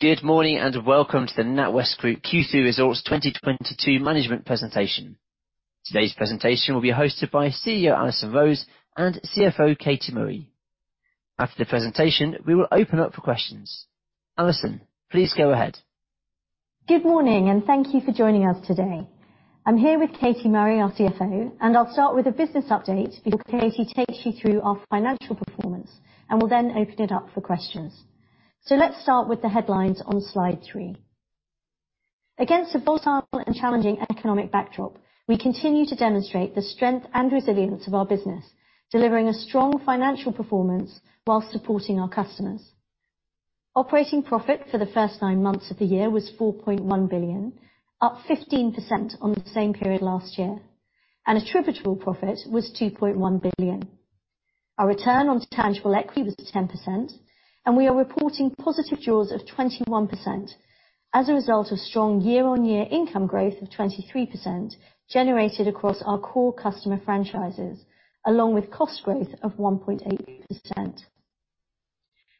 Good morning, and welcome to the NatWest Group Q2 Results 2022 Management Presentation. Today's presentation will be hosted by CEO Alison Rose and CFO Katie Murray. After the presentation, we will open up for questions. Alison, please go ahead. Good morning, and thank you for joining us today. I'm here with Katie Murray, our CFO, and I'll start with a business update before Katie takes you through our financial performance, and we'll then open it up for questions. Let's start with the headlines on slide three. Against a volatile and challenging economic backdrop, we continue to demonstrate the strength and resilience of our business, delivering a strong financial performance while supporting our customers. Operating profit for the first nine months of the year was 4.1 billion, up 15% on the same period last year, and attributable profit was 2.1 billion. Our return on tangible equity was 10%, and we are reporting positive jaws of 21% as a result of strong year-on-year income growth of 23% generated across our core customer franchises, along with cost growth of 1.8%.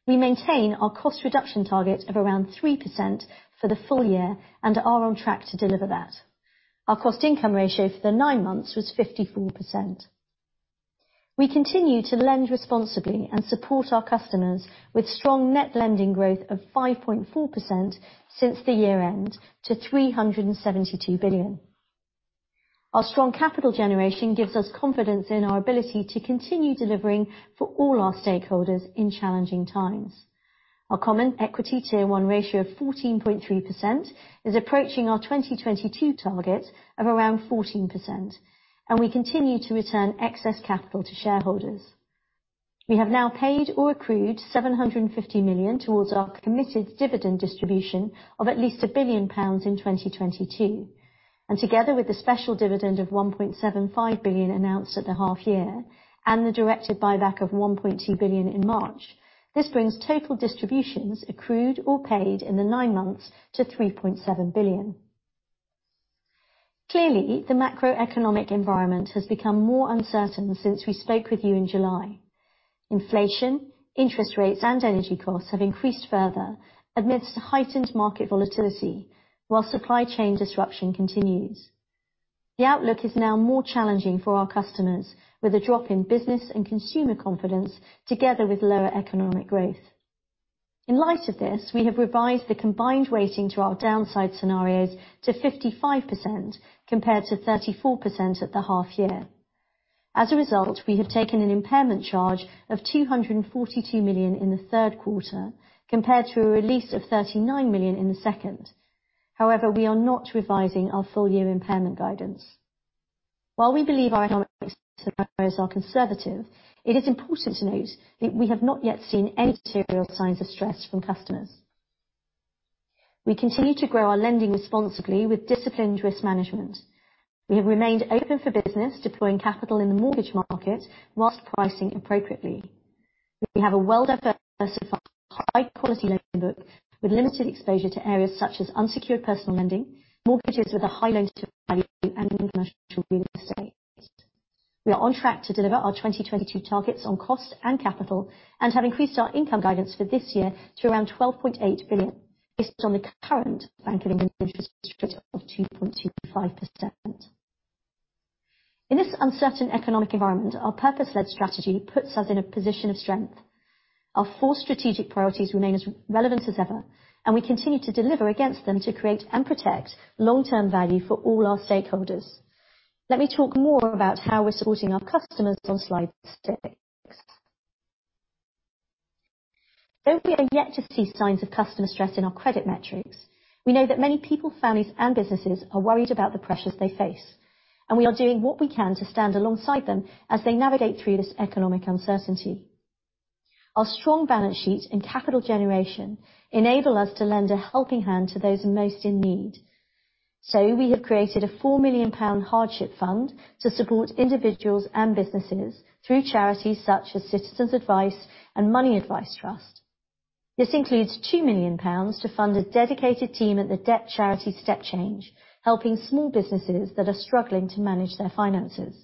We maintain our cost reduction target of around 3% for the full year and are on track to deliver that. Our cost income ratio for the nine months was 54%. We continue to lend responsibly and support our customers with strong net lending growth of 5.4% since the year end to 372 billion. Our strong capital generation gives us confidence in our ability to continue delivering for all our stakeholders in challenging times. Our common equity Tier 1 ratio of 14.3% is approaching our 2022 target of around 14%, and we continue to return excess capital to shareholders. We have now paid or accrued 750 million towards our committed dividend distribution of at least a billion pound in 2022. Together with the special dividend of 1.75 billion announced at the half year and the directed buyback of 1.2 billion in March, this brings total distributions accrued or paid in the nine months to 3.7 billion. Clearly, the macroeconomic environment has become more uncertain since we spoke with you in July. Inflation, interest rates, and energy costs have increased further amidst heightened market volatility while supply chain disruption continues. The outlook is now more challenging for our customers with a drop in business and consumer confidence together with lower economic growth. In light of this, we have revised the combined weighting to our downside scenarios to 55% compared to 34% at the half year. As a result, we have taken an impairment charge of 242 million in the third quarter compared to a release of 39 million in the second. However, we are not revising our full year impairment guidance. While we believe our economic scenarios are conservative, it is important to note that we have not yet seen any material signs of stress from customers. We continue to grow our lending responsibly with disciplined risk management. We have remained open for business, deploying capital in the mortgage market whilst pricing appropriately. We have a well-diversified high-quality lending book with limited exposure to areas such as unsecured personal lending, mortgages with a high loan to value, and international real estate. We are on track to deliver our 2022 targets on cost and capital and have increased our income guidance for this year to around 12.8 billion based on the current Bank of England interest rate of 2.25%. In this uncertain economic environment, our purpose-led strategy puts us in a position of strength. Our four strategic priorities remain as relevant as ever, and we continue to deliver against them to create and protect long-term value for all our stakeholders. Let me talk more about how we're supporting our customers on slide six. Though we are yet to see signs of customer stress in our credit metrics, we know that many people, families, and businesses are worried about the pressures they face, and we are doing what we can to stand alongside them as they navigate through this economic uncertainty. Our strong balance sheet and capital generation enable us to lend a helping hand to those most in need. We have created a 4 million pound hardship fund to support individuals and businesses through charities such as Citizens Advice and Money Advice Trust. This includes 2 million pounds to fund a dedicated team at the debt charity StepChange, helping small businesses that are struggling to manage their finances.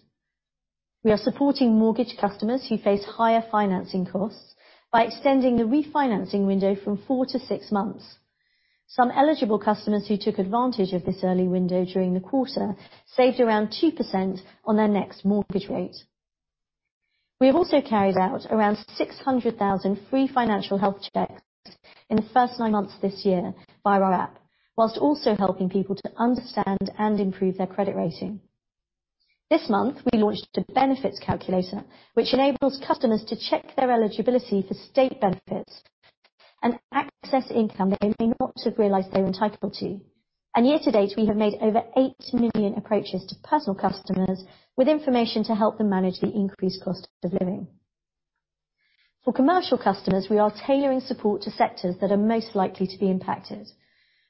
We are supporting mortgage customers who face higher financing costs by extending the refinancing window from 4-6 months. Some eligible customers who took advantage of this early window during the quarter saved around 2% on their next mortgage rate. We have also carried out around 600,000 free financial health checks in the first nine months this year via our app, while also helping people to understand and improve their credit rating. This month, we launched a benefits calculator, which enables customers to check their eligibility for state benefits and access income they may not have realized they were entitled to. Year to date, we have made over 8 million approaches to personal customers with information to help them manage the increased cost of living. For commercial customers, we are tailoring support to sectors that are most likely to be impacted.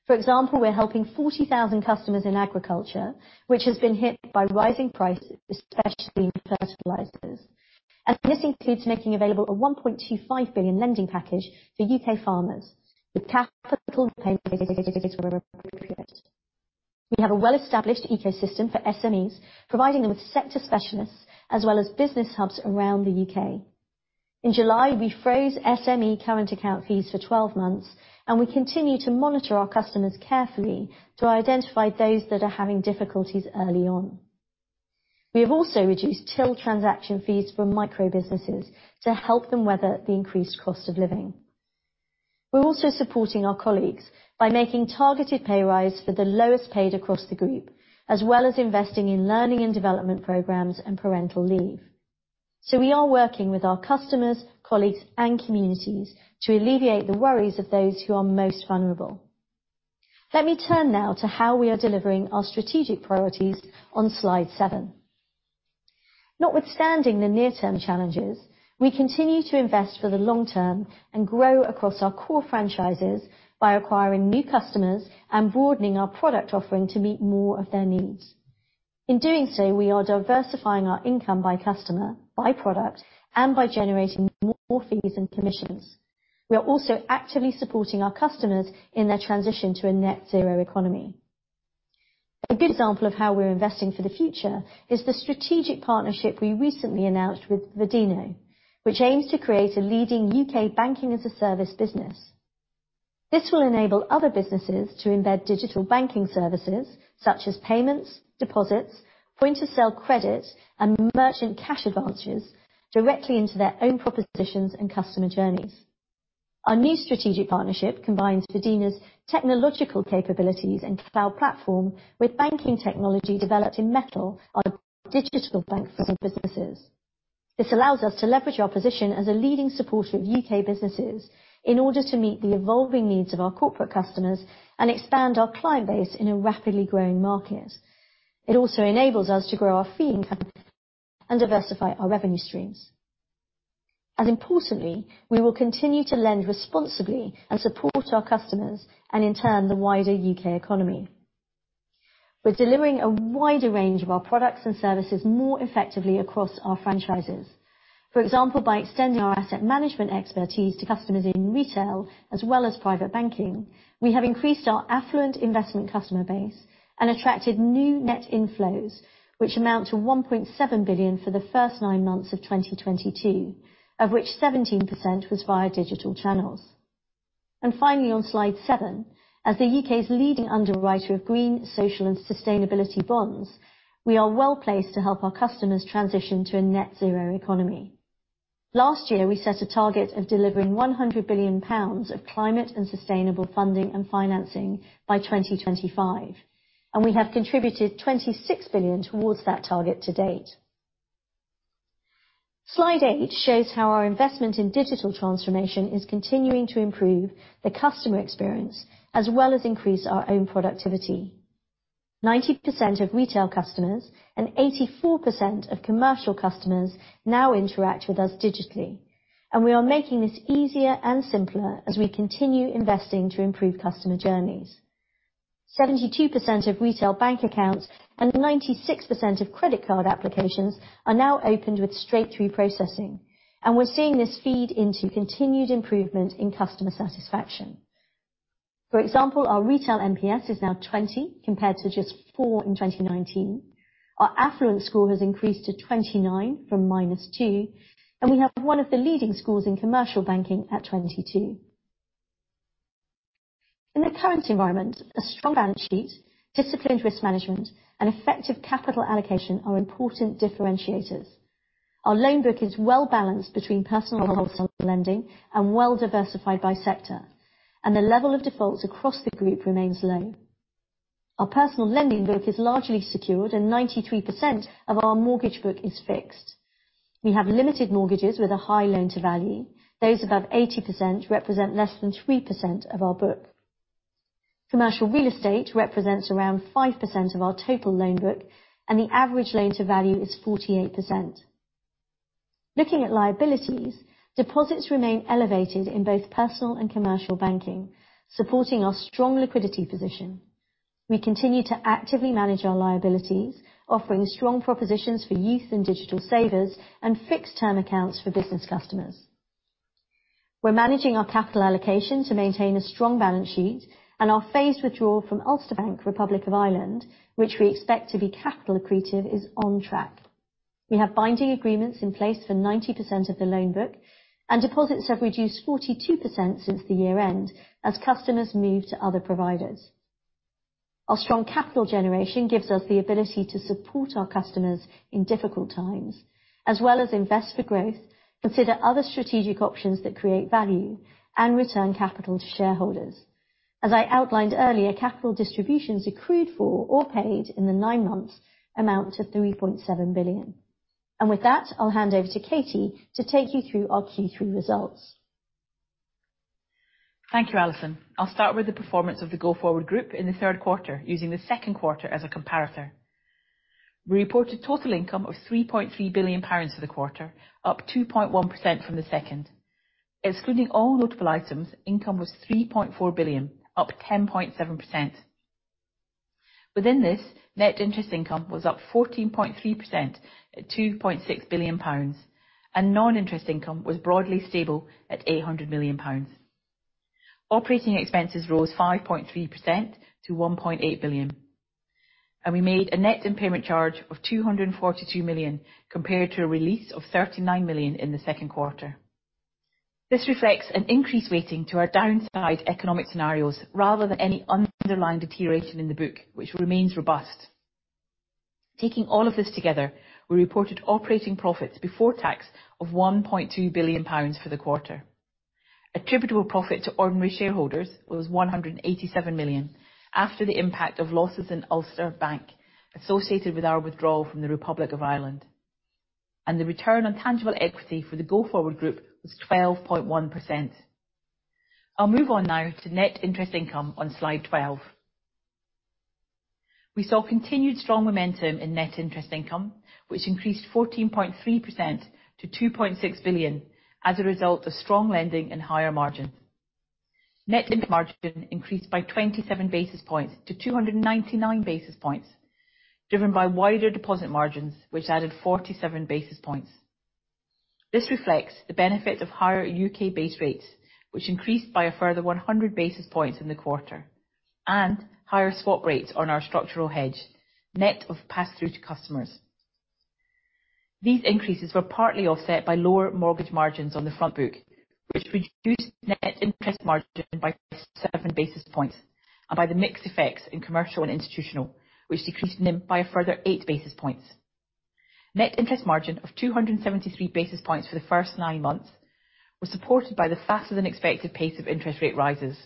For example, we're helping 40,000 customers in agriculture, which has been hit by rising prices, especially in fertilizers. This includes making available a 1.25 billion lending package for U.K. farmers with capital payments where appropriate. We have a well-established ecosystem for SMEs, providing them with sector specialists as well as business hubs around the U.K. In July, we froze SME current account fees for 12 months, and we continue to monitor our customers carefully to identify those that are having difficulties early on. We have also reduced till transaction fees for micro businesses to help them weather the increased cost of living. We're also supporting our colleagues by making targeted pay rise for the lowest paid across the group, as well as investing in learning and development programs and parental leave. We are working with our customers, colleagues, and communities to alleviate the worries of those who are most vulnerable. Let me turn now to how we are delivering our strategic priorities on slide seven. Notwithstanding the near-term challenges, we continue to invest for the long term and grow across our core franchises by acquiring new customers and broadening our product offering to meet more of their needs. In doing so, we are diversifying our income by customer, by product, and by generating more fees and commissions. We are also actively supporting our customers in their transition to a net zero economy. A good example of how we're investing for the future is the strategic partnership we recently announced with Vodeno, which aims to create a leading U.K. Banking-as-a-Service business. This will enable other businesses to embed digital banking services such as payments, deposits, point-of-sale credit, and merchant cash advances directly into their own propositions and customer journeys. Our new strategic partnership combines Vodeno's technological capabilities and cloud platform with banking technology developed in Mettle by digital banks and businesses. This allows us to leverage our position as a leading supporter of U.K. businesses in order to meet the evolving needs of our corporate customers and expand our client base in a rapidly growing market. It also enables us to grow our fee income and diversify our revenue streams. Importantly, we will continue to lend responsibly and support our customers and in turn, the wider U.K. economy. We're delivering a wider range of our products and services more effectively across our franchises. For example, by extending our asset management expertise to customers in retail as well as private banking. We have increased our affluent investment customer base and attracted new net inflows, which amount to 1.7 billion for the first nine months of 2022, of which 17% was via digital channels. Finally, on slide seven, as the U.K.'s leading underwriter of green, social and sustainability bonds, we are well placed to help our customers transition to a net zero economy. Last year, we set a target of delivering 100 billion pounds of climate and sustainable funding and financing by 2025, and we have contributed 26 billion towards that target to date. Slide eight shows how our investment in digital transformation is continuing to improve the customer experience as well as increase our own productivity. 90% of retail customers and 84% of commercial customers now interact with us digitally, and we are making this easier and simpler as we continue investing to improve customer journeys. 72% of retail bank accounts and 96% of credit card applications are now opened with straight-through processing, and we're seeing this feed into continued improvement in customer satisfaction. For example, our retail NPS is now 20 compared to just 4 in 2019. Our affluent score has increased to 29 from -2, and we have one of the leading scores in commercial banking at 22. In the current environment, a strong balance sheet, disciplined risk management, and effective capital allocation are important differentiators. Our loan book is well-balanced between personal lending and well diversified by sector, and the level of defaults across the group remains low. Our personal lending book is largely secured and 93% of our mortgage book is fixed. We have limited mortgages with a high loan to value. Those above 80% represent less than 3% of our book. Commercial real estate represents around 5% of our total loan book, and the average loan to value is 48%. Looking at liabilities, deposits remain elevated in both personal and commercial banking, supporting our strong liquidity position. We continue to actively manage our liabilities, offering strong propositions for youth and digital savers and fixed term accounts for business customers. We're managing our capital allocation to maintain a strong balance sheet and our phased withdrawal from Ulster Bank, Republic of Ireland, which we expect to be capital accretive, is on track. We have binding agreements in place for 90% of the loan book and deposits have reduced 42% since the year end as customers move to other providers. Our strong capital generation gives us the ability to support our customers in difficult times, as well as invest for growth, consider other strategic options that create value and return capital to shareholders. As I outlined earlier, capital distributions accrued for or paid in the nine months amount to 3.7 billion. With that, I'll hand over to Katie to take you through our Q3 results. Thank you, Alison. I'll start with the performance of the Go-Forward Group in the third quarter using the second quarter as a comparator. We reported total income of 3.3 billion pounds for the quarter, up 2.1% from the second. Excluding all notable items, income was 3.4 billion, up 10.7%. Within this, net interest income was up 14.3% at 2.6 billion pounds, and non-interest income was broadly stable at 800 million pounds. Operating expenses rose 5.3% to 1.8 billion. We made a net impairment charge of 242 million, compared to a release of 39 million in the second quarter. This reflects an increased weighting to our downside economic scenarios rather than any underlying deterioration in the book, which remains robust. Taking all of this together, we reported operating profits before tax of 1.2 billion pounds for the quarter. Attributable profit to ordinary shareholders was 187 million after the impact of losses in Ulster Bank associated with our withdrawal from the Republic of Ireland. The return on tangible equity for the Go-Forward Group was 12.1%. I'll move on now to net interest income on slide 12. We saw continued strong momentum in net interest income, which increased 14.3% to 2.6 billion as a result of strong lending and higher margins. Net interest margin increased by 27 basis points to 299 basis points, driven by wider deposit margins, which added 47 basis points. This reflects the benefit of higher U.K. base rates, which increased by a further 100 basis points in the quarter and higher swap rates on our structural hedge, net of pass-through to customers. These increases were partly offset by lower mortgage margins on the front book, which reduced net interest margin by 7 basis points and by the mix effects in commercial and institutional, which decreased NIM by a further 8 basis points. Net interest margin of 273 basis points for the first nine months was supported by the faster than expected pace of interest rate rises.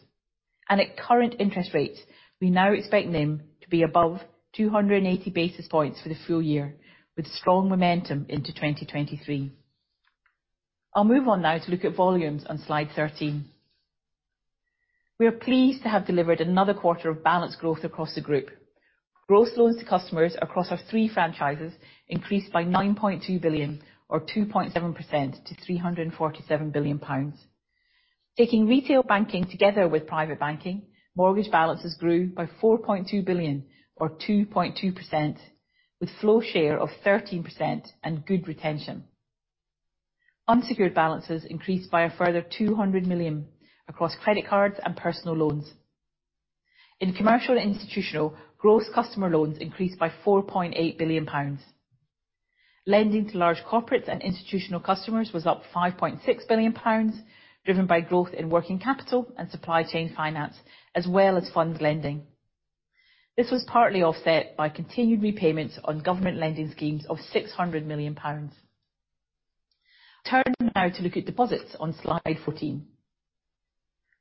At current interest rates, we now expect NIM to be above 280 basis points for the full year, with strong momentum into 2023. I'll move on now to look at volumes on slide 13. We are pleased to have delivered another quarter of balanced growth across the group. Gross loans to customers across our three franchises increased by 9.2 billion or 2.7% to 347 billion pounds. Taking retail banking together with private banking, mortgage balances grew by 4.2 billion or 2.2% with flow share of 13% and good retention. Unsecured balances increased by a further 200 million across credit cards and personal loans. In commercial and institutional, gross customer loans increased by 4.8 billion pounds. Lending to large corporates and institutional customers was up 5.6 billion pounds, driven by growth in working capital and supply chain finance, as well as fund lending. This was partly offset by continued repayments on government lending schemes of 600 million pounds. Turn now to look at deposits on slide 14.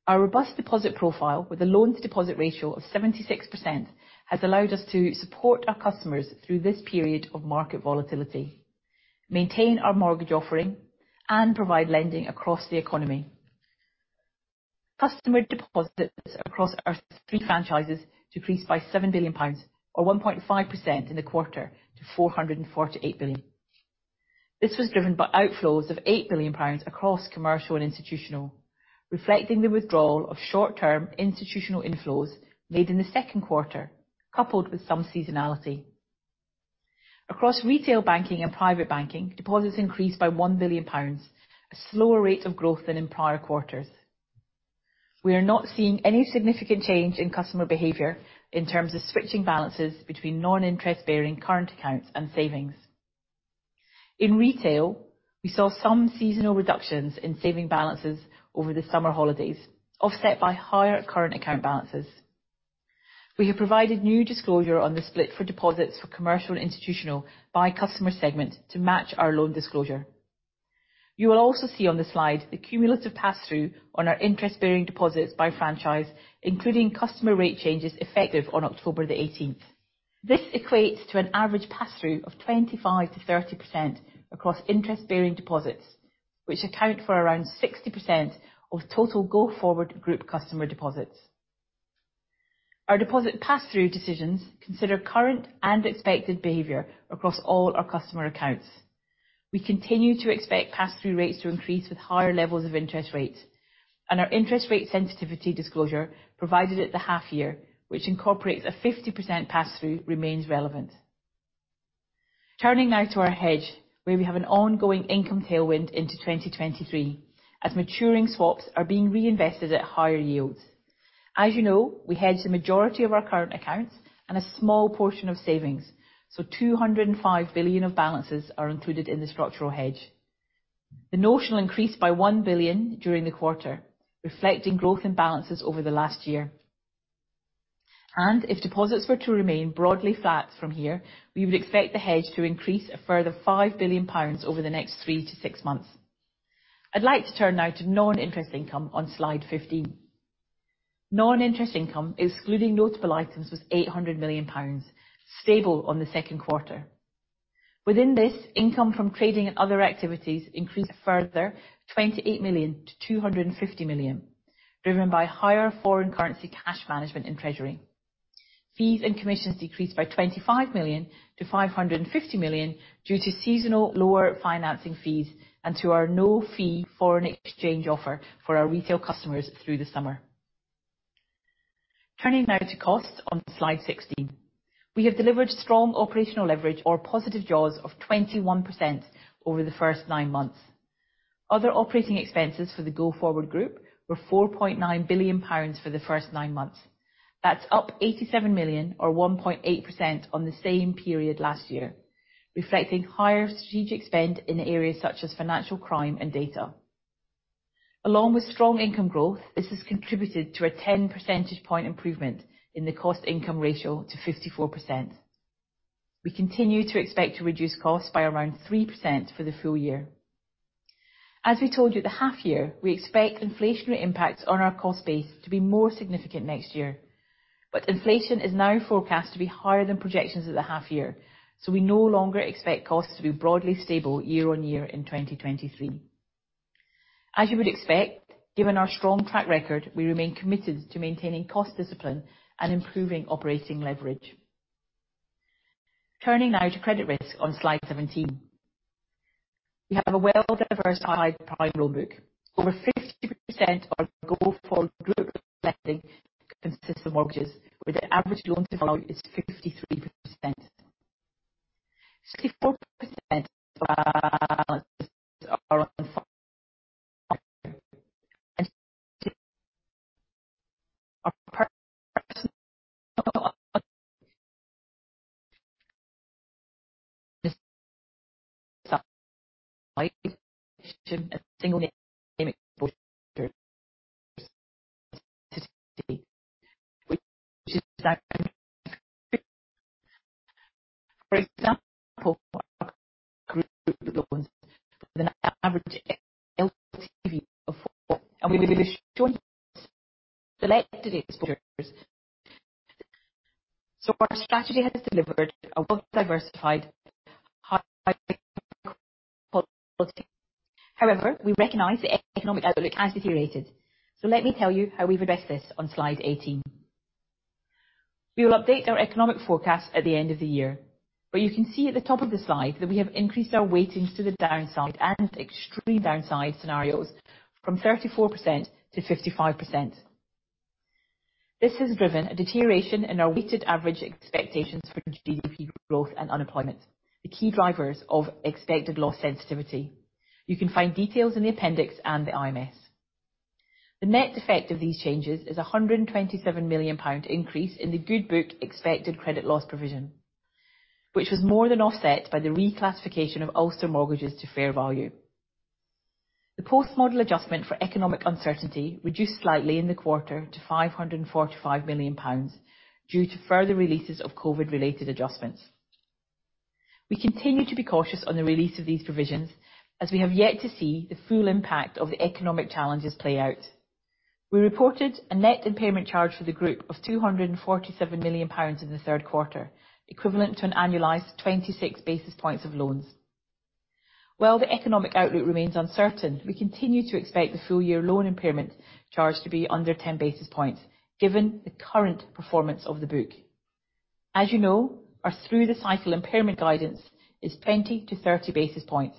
Our robust deposit profile with a loans deposit ratio of 76% has allowed us to support our customers through this period of market volatility, maintain our mortgage offering, and provide lending across the economy. Customer deposits across our three franchises decreased by 7 billion pounds or 1.5% in the quarter to 448 billion. This was driven by outflows of 8 billion pounds across commercial and institutional, reflecting the withdrawal of short-term institutional inflows made in the second quarter, coupled with some seasonality. Across retail banking and private banking, deposits increased by 1 billion pounds, a slower rate of growth than in prior quarters. We are not seeing any significant change in customer behavior in terms of switching balances between non-interest bearing current accounts and savings. In retail, we saw some seasonal reductions in savings balances over the summer holidays, offset by higher current account balances. We have provided new disclosure on the split for deposits for commercial and institutional by customer segment to match our loan disclosure. You will also see on the slide the cumulative pass-through on our interest-bearing deposits by franchise, including customer rate changes effective on October 18. This equates to an average pass-through of 25%-30% across interest-bearing deposits, which account for around 60% of total Go-Forward Group customer deposits. Our deposit pass-through decisions consider current and expected behavior across all our customer accounts. We continue to expect pass-through rates to increase with higher levels of interest rates. Our interest rate sensitivity disclosure provided at the half year, which incorporates a 50% pass-through remains relevant. Turning now to our hedge, where we have an ongoing income tailwind into 2023, as maturing swaps are being reinvested at higher yields. As you know, we hedge the majority of our current accounts and a small portion of savings. 205 billion of balances are included in the structural hedge. The notional increased by 1 billion during the quarter, reflecting growth in balances over the last year. If deposits were to remain broadly flat from here, we would expect the hedge to increase a further 5 billion pounds over the next three to six months. I'd like to turn now to non-interest income on slide 15. Non-interest income, excluding notable items, was 800 million pounds, stable on the second quarter. Within this, income from trading and other activities increased a further 28 million to 250 million, driven by higher foreign currency cash management and treasury. Fees and commissions decreased by 25 million to 550 million due to seasonal lower financing fees and to our no-fee foreign exchange offer for our retail customers through the summer. Turning now to costs on slide 16. We have delivered strong operational leverage or positive jaws of 21% over the first nine months. Other operating expenses for the Go-Forward Group were 4.9 billion pounds for the first nine months. That's up 87 million or 1.8% on the same period last year, reflecting higher strategic spend in areas such as financial crime and data. Along with strong income growth, this has contributed to a 10 percentage point improvement in the cost income ratio to 54%. We continue to expect to reduce costs by around 3% for the full year. As we told you at the half year, we expect inflationary impacts on our cost base to be more significant next year. Inflation is now forecast to be higher than projections at the half year. We no longer expect costs to be broadly stable year-on-year in 2023. As you would expect, given our strong track record, we remain committed to maintaining cost discipline and improving operating leverage. Turning now to credit risk on slide 17. We have a well-diversified book. Over 50% of Go-Forward Group lending consists of mortgages, where the average loan-to-value is 53%. 64% with an average LTV of 40. We will be showing selected exposures. Our strategy has delivered a well-diversified high quality. However, we recognize the economic outlook has deteriorated. Let me tell you how we've addressed this on slide 18. We will update our economic forecast at the end of the year. You can see at the top of the slide that we have increased our weightings to the downside and extreme downside scenarios from 34% to 55%. This has driven a deterioration in our weighted average expectations for GDP growth and unemployment, the key drivers of expected loss sensitivity. You can find details in the appendix and the IMS. The net effect of these changes is a 127 million pound increase in the good book expected credit loss provision, which was more than offset by the reclassification of Ulster mortgages to fair value. The post-model adjustment for economic uncertainty reduced slightly in the quarter to 545 million pounds due to further releases of COVID-related adjustments. We continue to be cautious on the release of these provisions as we have yet to see the full impact of the economic challenges play out. We reported a net impairment charge for the group of 247 million pounds in the third quarter, equivalent to an annualized 26 basis points of loans. While the economic outlook remains uncertain, we continue to expect the full year loan impairment charge to be under 10 basis points given the current performance of the book. As you know, our through the cycle impairment guidance is 20-30 basis points.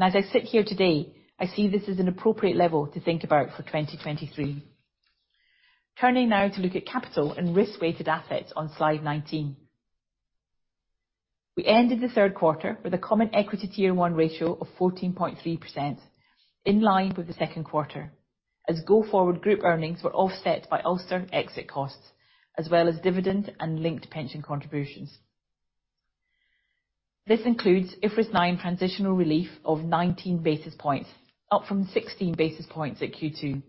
As I sit here today, I see this as an appropriate level to think about for 2023. Turning now to look at capital and risk-weighted assets on slide 19. We ended the third quarter with a Common Equity Tier 1 ratio of 14.3%, in line with the second quarter, as Go-Forward Group earnings were offset by Ulster exit costs as well as dividend and linked pension contributions. This includes IFRS 9 transitional relief of 19 basis points, up from 16 basis points at Q2.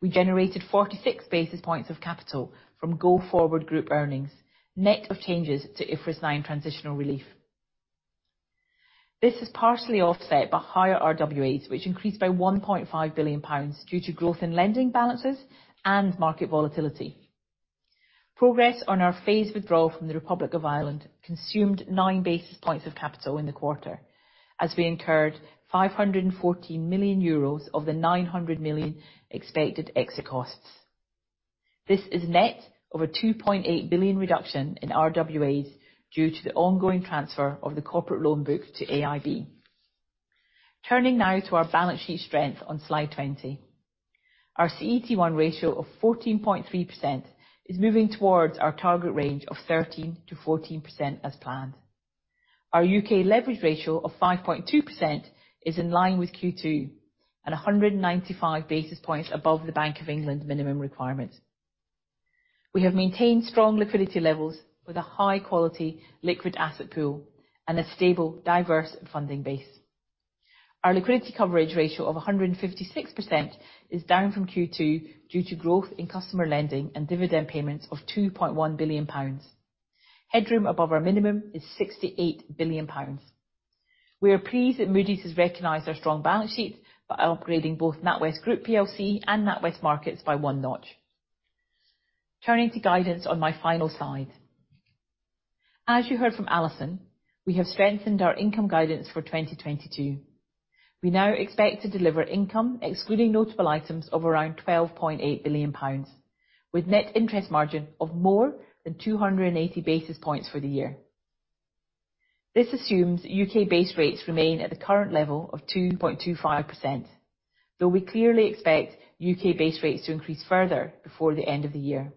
We generated 46 basis points of capital from Go-Forward Group earnings, net of changes to IFRS 9 transitional relief. This is partially offset by higher RWAs, which increased by 1.5 billion pounds due to growth in lending balances and market volatility. Progress on our phased withdrawal from the Republic of Ireland consumed 9 basis points of capital in the quarter as we incurred 514 million euros of the 900 million expected exit costs. This is net of a 2.8 billion reduction in RWAs due to the ongoing transfer of the corporate loan book to AIB. Turning now to our balance sheet strength on slide 20. Our CET1 ratio of 14.3% is moving towards our target range of 13%-14% as planned. Our UK leverage ratio of 5.2% is in line with Q2 and 195 basis points above the Bank of England minimum requirement. We have maintained strong liquidity levels with a high quality liquid asset pool and a stable, diverse funding base. Our liquidity coverage ratio of 156% is down from Q2 due to growth in customer lending and dividend payments of 2.1 billion pounds. Headroom above our minimum is 68 billion pounds. We are pleased that Moody's has recognized our strong balance sheet by upgrading both NatWest Group plc and NatWest Markets by one notch. Turning to guidance on my final slide. As you heard from Alison, we have strengthened our income guidance for 2022. We now expect to deliver income, excluding notable items, of around 12.8 billion pounds, with net interest margin of more than 280 basis points for the year. This assumes U.K. base rates remain at the current level of 2.25%. Though we clearly expect U.K. base rates to increase further before the end of the year.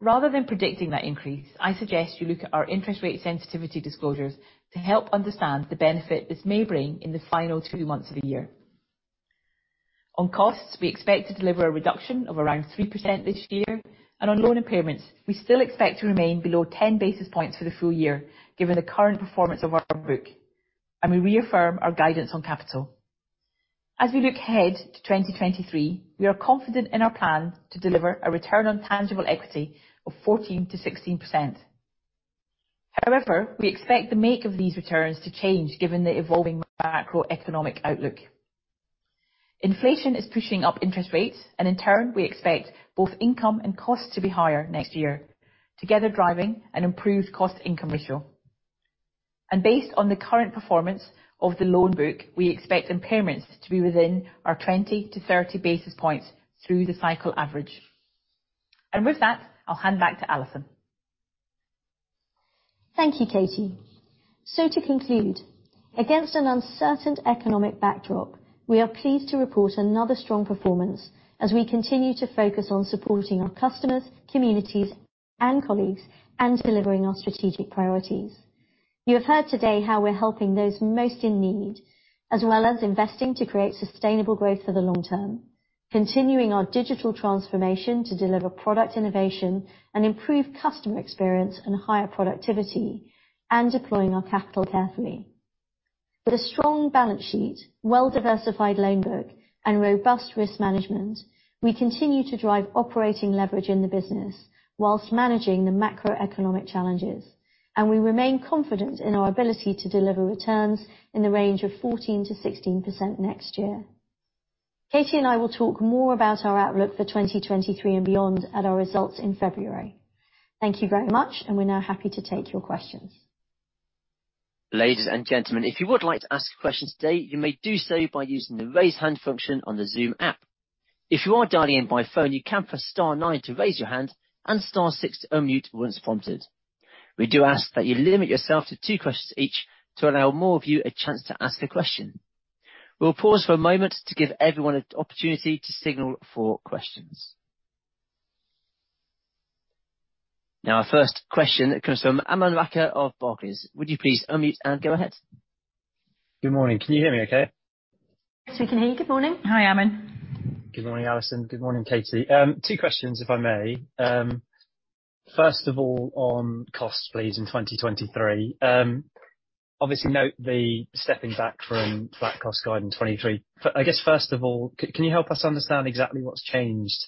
Rather than predicting that increase, I suggest you look at our interest rate sensitivity disclosures to help understand the benefit this may bring in the final two months of the year. On costs, we expect to deliver a reduction of around 3% this year. On loan impairments, we still expect to remain below 10 basis points for the full year given the current performance of our book. We reaffirm our guidance on capital. As we look ahead to 2023, we are confident in our plan to deliver a return on tangible equity of 14%-16%. However, we expect the make of these returns to change given the evolving macroeconomic outlook. Inflation is pushing up interest rates, and in turn, we expect both income and costs to be higher next year, together driving an improved cost income ratio. Based on the current performance of the loan book, we expect impairments to be within our 20-30 basis points through the cycle average. With that, I'll hand back to Alison. Thank you, Katie. To conclude, against an uncertain economic backdrop, we are pleased to report another strong performance as we continue to focus on supporting our customers, communities and colleagues and delivering our strategic priorities. You have heard today how we're helping those most in need, as well as investing to create sustainable growth for the long term, continuing our digital transformation to deliver product innovation and improve customer experience and higher productivity, and deploying our capital carefully. With a strong balance sheet, well-diversified loan book and robust risk management, we continue to drive operating leverage in the business whilst managing the macroeconomic challenges, and we remain confident in our ability to deliver returns in the range of 14%-16% next year. Katie and I will talk more about our outlook for 2023 and beyond at our results in February. Thank you very much, and we're now happy to take your questions. Ladies and gentlemen, if you would like to ask a question today, you may do so by using the Raise Hand function on the Zoom app. If you are dialing in by phone, you can press star nine to raise your hand and star six to unmute once prompted. We do ask that you limit yourself to two questions each to allow more of you a chance to ask a question. We'll pause for a moment to give everyone an opportunity to signal for questions. Now, our first question comes from Aman Rakkar of Barclays. Would you please unmute and go ahead. Good morning. Can you hear me okay? Yes, we can hear you. Good morning. Hi, Aman. Good morning, Alison. Good morning, Katie. Two questions, if I may. First of all, on costs please in 2023. Obviously note the stepping back from flat cost guide in 2023. I guess, first of all, can you help us understand exactly what's changed,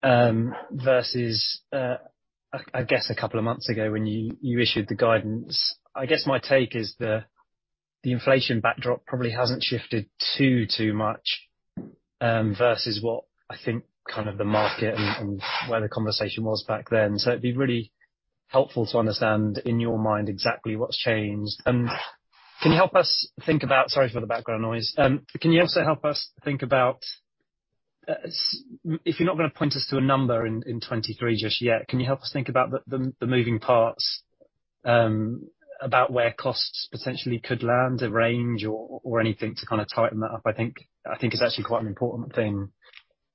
versus, I guess a couple of months ago when you issued the guidance. I guess my take is the inflation backdrop probably hasn't shifted too much, versus what I think kind of the market and where the conversation was back then. It'd be really helpful to understand in your mind exactly what's changed. Can you help us think about. Sorry for the background noise. Can you also help us think about if you're not gonna point us to a number in 2023 just yet? Can you help us think about the moving parts about where costs potentially could land, the range or anything to kinda tighten that up? I think it's actually quite an important thing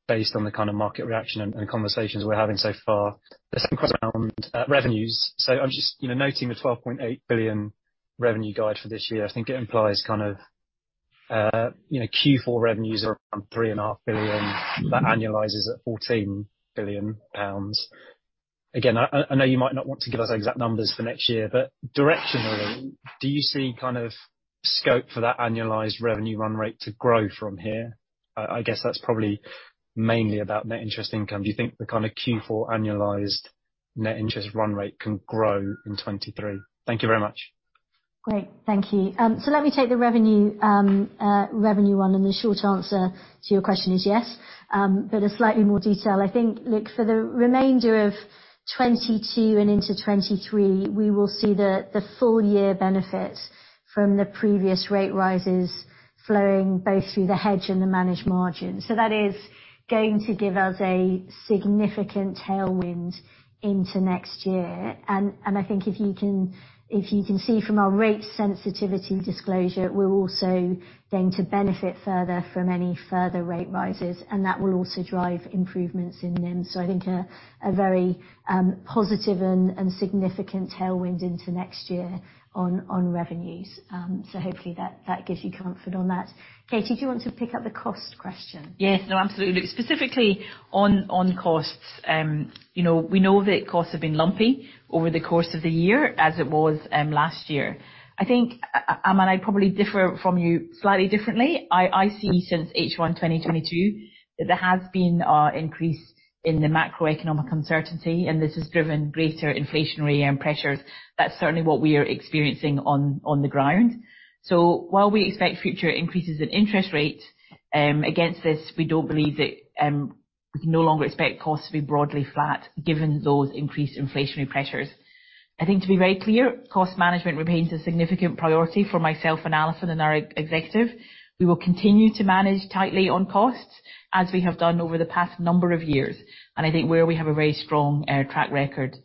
based on the kind of market reaction and conversations we're having so far. The second question around revenues. I'm just, you know, noting the 12.8 billion revenue guide for this year. I think it implies kind of, you know, Q4 revenues are around 3.5 billion. That annualizes at 14 billion pounds. Again, I know you might not want to give us exact numbers for next year, but directionally, do you see kind of scope for that annualized revenue run rate to grow from here? I guess that's probably mainly about net interest income. Do you think the kinda Q4 annualized net interest run rate can grow in 2023? Thank you very much. Great. Thank you. Let me take the revenue one, and the short answer to your question is yes. A slightly more detailed. I think, look, for the remainder of 2022 and into 2023, we will see the full year benefit from the previous rate rises flowing both through the hedge and the managed margin. That is going to give us a significant tailwind into next year. I think if you can see from our rate sensitivity disclosure, we're also going to benefit further from any further rate rises, and that will also drive improvements in NIM. I think a very positive and significant tailwind into next year on revenues. Hopefully that gives you comfort on that. Katie, do you want to pick up the cost question? Yes. No, absolutely. Specifically on costs, we know that costs have been lumpy over the course of the year as it was last year. I think, Aman, I probably differ from you slightly differently. I see since H1 2022 that there has been an increase in the macroeconomic uncertainty, and this has driven greater inflationary pressures. That's certainly what we are experiencing on the ground. While we expect future increases in interest rates, against this, we don't believe that we can no longer expect costs to be broadly flat given those increased inflationary pressures. I think to be very clear, cost management remains a significant priority for myself and Alison and our executive. We will continue to manage tightly on costs as we have done over the past number of years, and I think where we have a very strong track record.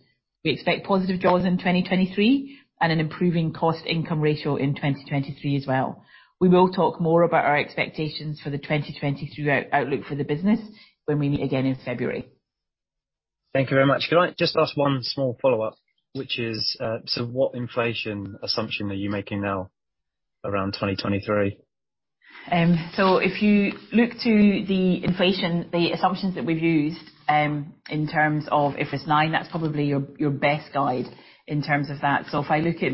We expect positive jaws in 2023 and an improving cost income ratio in 2023 as well. We will talk more about our expectations for the 2023 outlook for the business when we meet again in February. Thank you very much. Could I just ask one small follow-up, which is, so what inflation assumption are you making now around 2023? If you look to the inflation, the assumptions that we've used, in terms of IFRS 9, that's probably your best guide in terms of that. If I look at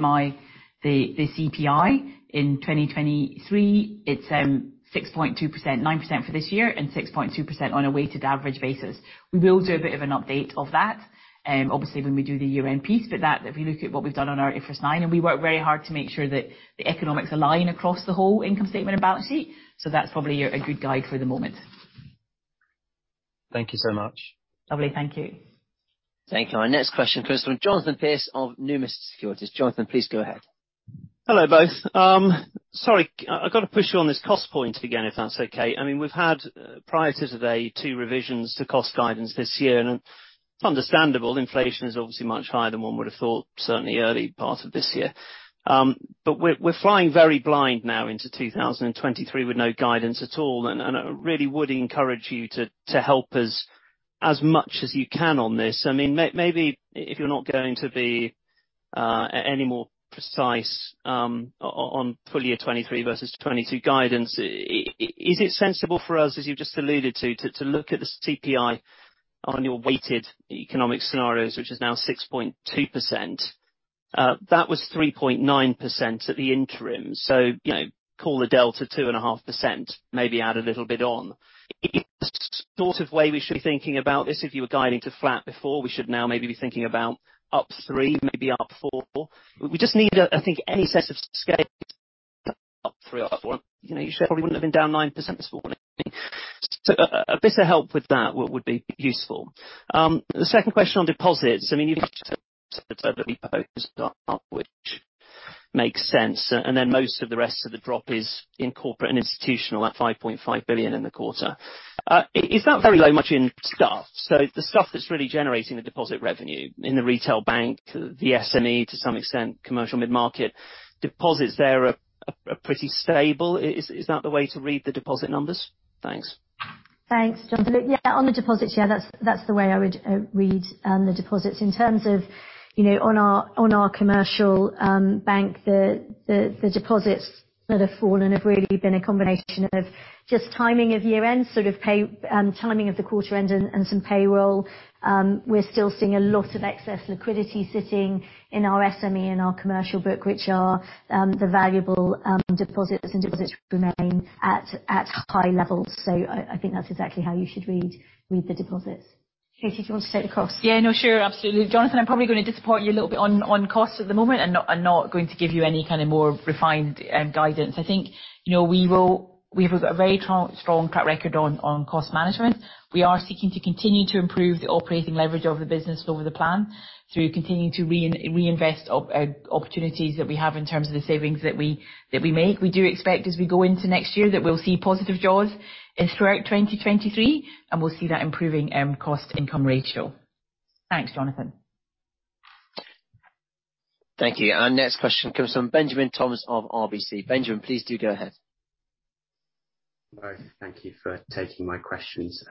the CPI in 2023, it's 6.2%. 9% for this year, and 6.2% on a weighted average basis. We will do a bit of an update of that, obviously when we do the year-end piece. That, if you look at what we've done on our IFRS 9, and we work very hard to make sure that the economics align across the whole income statement and balance sheet. That's probably a good guide for the moment. Thank you so much. Lovely. Thank you. Thank you. Our next question comes from Jonathan Pierce of Numis Securities. Jonathan, please go ahead. Hello, both. Sorry, I've gotta push you on this cost point again, if that's okay. I mean, we've had, prior to today, two revisions to cost guidance this year, and understandable. Inflation is obviously much higher than one would have thought, certainly early part of this year. We're flying very blind now into 2023 with no guidance at all, and I really would encourage you to help us as much as you can on this. I mean, maybe if you're not going to be any more precise on full year 2023 versus 2022 guidance, is it sensible for us, as you've just alluded to look at the CPI on your weighted economic scenarios, which is now 6.2%? That was 3.9% at the interim. You know, call the delta 2.5%, maybe add a little bit on. Is that the sort of way we should be thinking about this? If you were guiding to flat before, we should now maybe be thinking about up 3%, maybe up 4%. We just need, I think, any sense of scale up 3% or 4%. You know, your share probably wouldn't have been down 9% this morning. A bit of help with that would be useful. The second question on deposits, I mean, you've said that we proposed, which makes sense, and then most of the rest of the drop is in corporate and institutional, that £5.5 billion in the quarter. Is that very much in staff? The staff that's really generating the deposit revenue in the retail bank, the SME to some extent, commercial mid-market. Deposits there are pretty stable. Is that the way to read the deposit numbers? Thanks. Thanks, Jonathan. Yeah, on the deposits, yeah, that's the way I would read the deposits. In terms of, you know, on our commercial bank, the deposits that have fallen have really been a combination of just timing of year-end, timing of the quarter-end and some payroll. We're still seeing a lot of excess liquidity sitting in our SME and our commercial book, which are the valuable deposits. Deposits remain at high levels. I think that's exactly how you should read the deposits. Katie, do you want to take the costs? Yeah, no, sure. Absolutely. Jonathan, I'm probably gonna disappoint you a little bit on cost at the moment. I'm not going to give you any kind of more refined guidance. I think, you know, we will. We've got a very strong track record on cost management. We are seeking to continue to improve the operating leverage of the business over the plan through continuing to reinvest opportunities that we have in terms of the savings that we make. We do expect as we go into next year that we'll see positive jaws throughout 2023, and we'll see that improving cost income ratio. Thanks, Jonathan. Thank you. Our next question comes from Benjamin Toms of RBC. Benjamin, please do go ahead. Thank you for taking my questions.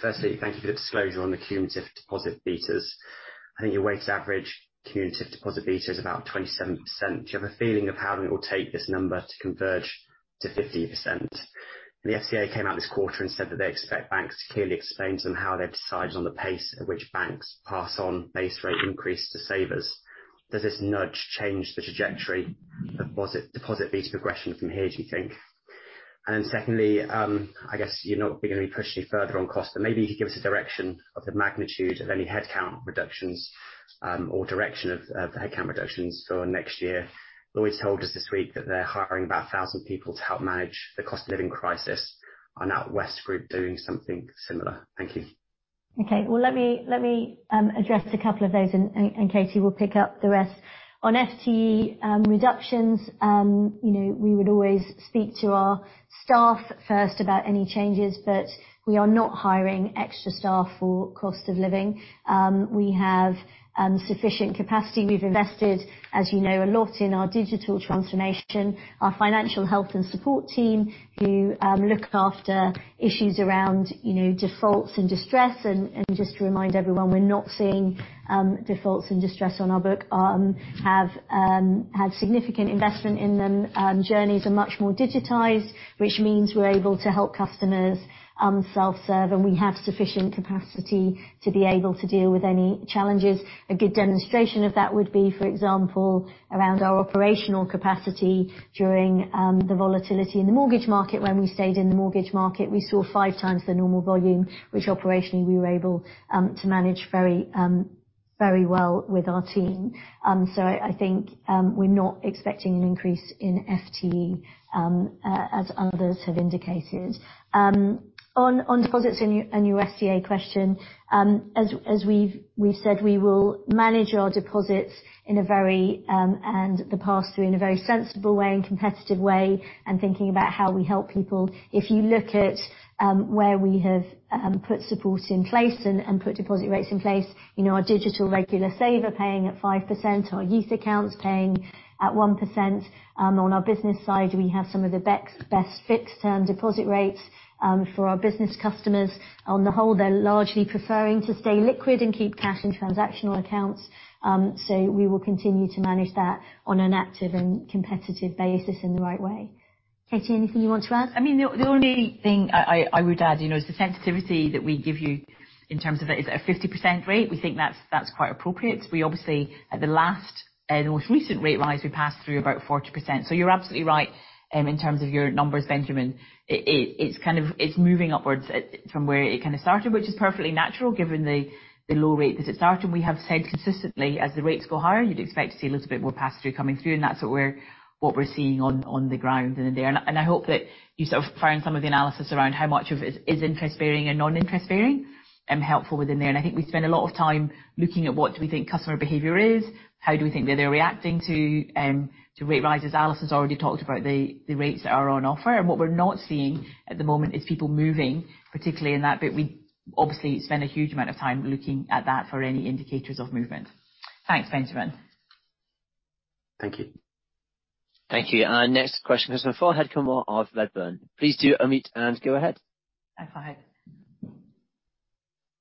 Firstly, thank you for the disclosure on the cumulative deposit betas. I think your weighted average cumulative deposit beta is about 27%. Do you have a feeling of how long it will take this number to converge to 50%? The FCA came out this quarter and said that they expect banks to clearly explain to them how they've decided on the pace at which banks pass on base rate increase to savers. Does this nudge change the trajectory of post-deposit beta progression from here, do you think? Secondly, I guess you're not gonna be pushed any further on cost, but maybe you could give us a direction of the magnitude of any headcount reductions, or direction of the headcount reductions for next year. Lloyds told us this week that they're hiring about 1,000 people to help manage the cost of living crisis. I know NatWest Group doing something similar. Thank you. Okay. Well, let me address a couple of those and Katie will pick up the rest. On FTE reductions, you know, we would always speak to our staff first about any changes, but we are not hiring extra staff for cost of living. We have sufficient capacity. We've invested, as you know, a lot in our digital transformation. Our financial health and support team who look after issues around, you know, defaults and distress. Just to remind everyone, we're not seeing defaults and distress on our book. Have had significant investment in them. Journeys are much more digitized, which means we're able to help customers self-serve, and we have sufficient capacity to be able to deal with any challenges. A good demonstration of that would be, for example, around our operational capacity during the volatility in the mortgage market. When we stayed in the mortgage market, we saw five times the normal volume, which operationally, we were able to manage very effectively. Very well with our team. I think we're not expecting an increase in FTE, as others have indicated. On deposits and your FCA question, as we've said, we will manage our deposits in a very and the pass-through in a very sensible way and competitive way, and thinking about how we help people. If you look at where we have put support in place and put deposit rates in place, you know, our Digital Regular Saver paying at 5%, our youth accounts paying at 1%. On our business side, we have some of the best fixed term deposit rates for our business customers. On the whole, they're largely preferring to stay liquid and keep cash in transactional accounts. We will continue to manage that on an active and competitive basis in the right way. Katie, anything you want to add? I mean, the only thing I would add, you know, is the sensitivity that we give you in terms of that is a 50% rate. We think that's quite appropriate. We obviously at the last most recent rate rise, we passed through about 40%. So you're absolutely right in terms of your numbers, Benjamin. It's kind of moving upwards from where it kind of started, which is perfectly natural given the low rate that it started. We have said consistently, as the rates go higher, you'd expect to see a little bit more pass-through coming through, and that's what we're seeing on the ground in there. I hope that you sort of find some of the analysis around how much of this is interest bearing and non-interest bearing helpful within there. I think we spend a lot of time looking at what we think customer behavior is, how do we think that they're reacting to to rate rises. Alison has already talked about the rates that are on offer. What we're not seeing at the moment is people moving, particularly in that bit. We obviously spend a huge amount of time looking at that for any indicators of movement. Thanks, Benjamin Toms. Thank you. Thank you. Our next question comes from Fahed Kunwar of Redburn. Please do unmute and go ahead. Hi, Fahed.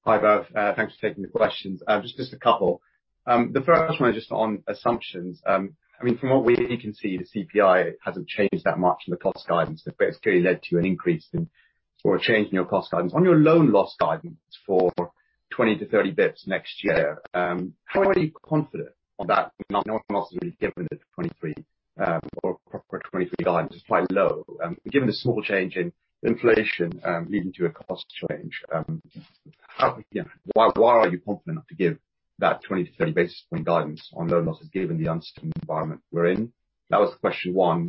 Hi, both. Thanks for taking the questions. Just a couple. The first one just on assumptions. I mean, from what we can see, the CPI hasn't changed that much and the cost guidance have basically led to an increase in or a change in your cost guidance. On your loan loss guidance for 20-30 basis points next year, how are you confident on that loan loss given that 2023, or prior 2023 guidance is quite low? Given the small change in inflation, leading to a cost change, why are you confident to give that 20-30 basis point guidance on loan losses given the uncertain environment we're in? That was question one.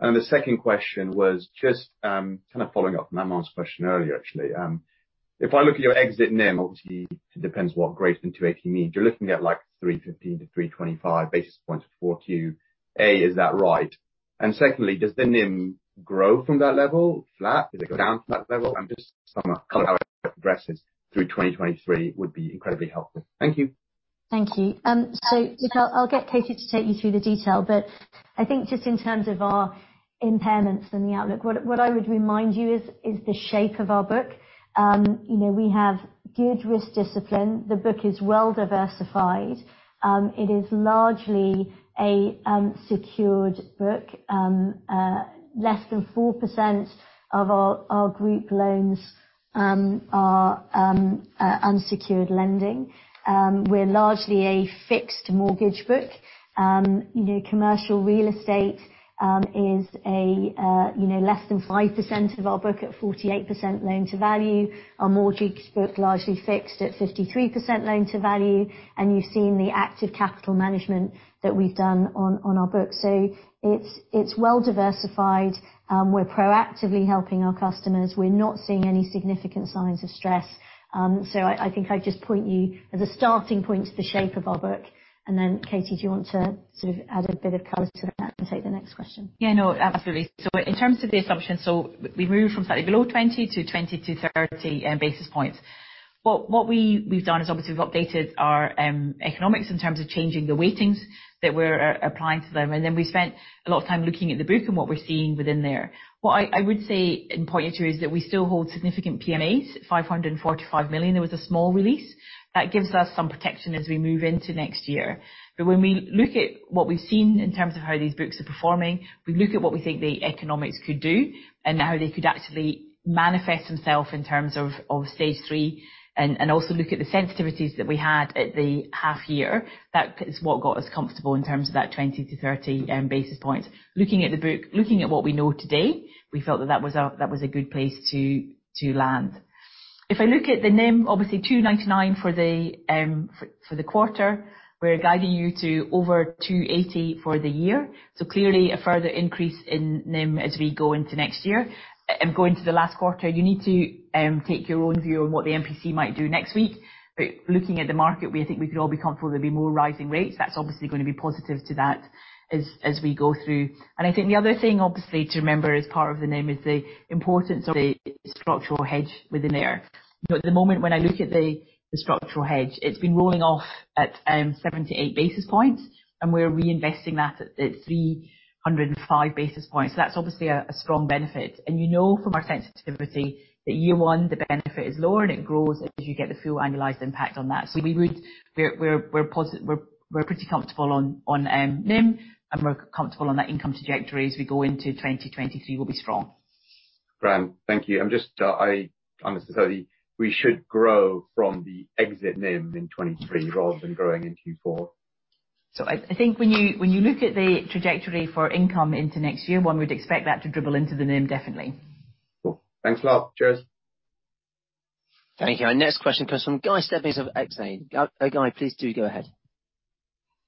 The second question was just, kind of following up on Aman's question earlier, actually. If I look at your exit NIM, obviously, it depends what grade into 18 means. You're looking at like 315-325 basis points for Q1, is that right? Secondly, does the NIM grow from that level? Flat? Does it go down from that level? Just some color on how it progresses through 2023 would be incredibly helpful. Thank you. Thank you. I'll get Katie to take you through the detail, but I think just in terms of our impairments and the outlook, what I would remind you is the shape of our book. You know, we have good risk discipline. The book is well diversified. It is largely a secured book. Less than 4% of our group loans are unsecured lending. We're largely a fixed mortgage book. You know, commercial real estate is less than 5% of our book at 48% loan to value. Our mortgage book largely fixed at 53% loan to value. You've seen the active capital management that we've done on our book. It's well diversified. We're proactively helping our customers. We're not seeing any significant signs of stress. I think I just point you to the shape of our book. Then, Katie, do you want to sort of add a bit of color to that and take the next question? Yeah, no, absolutely. In terms of the assumption, so we moved from slightly below 20 to 20 to 30 basis points. What we've done is obviously we've updated our economics in terms of changing the weightings that we're applying to them. Then we spent a lot of time looking at the book and what we're seeing within there. What I would say and point you to is that we still hold significant PMAs, 545 million. There was a small release. That gives us some protection as we move into next year. When we look at what we've seen in terms of how these books are performing, we look at what we think the economics could do and how they could actually manifest themselves in terms of stage three, and also look at the sensitivities that we had at the half year. That is what got us comfortable in terms of that 20-30 basis points. Looking at the book, looking at what we know today, we felt that that was a good place to land. If I look at the NIM, obviously 2.99 for the quarter, we're guiding you to over 2.80 for the year. Clearly a further increase in NIM as we go into next year. Going to the last quarter, you need to take your own view on what the MPC might do next week. Looking at the market, we think we could all be comfortable there'll be more rising rates. That's obviously gonna be positive to that as we go through. I think the other thing obviously to remember as part of the NIM is the importance of a structural hedge within there. You know, at the moment, when I look at the structural hedge, it's been rolling off at 78 basis points, and we're reinvesting that at 305 basis points. That's obviously a strong benefit. You know from our sensitivity that year one, the benefit is lower and it grows as you get the full annualized impact on that. We would... We're pretty comfortable on NIM, and we're comfortable on that income trajectory as we go into 2023 will be strong. Grand. Thank you. I'm just, I understand. We should grow from the exit NIM in 2023 rather than growing in Q4? I think when you look at the trajectory for income into next year, one would expect that to dribble into the NIM definitely. Cool. Thanks a lot. Cheers. Thank you. Our next question comes from Guy Stebbings of Exane. Guy, please do go ahead.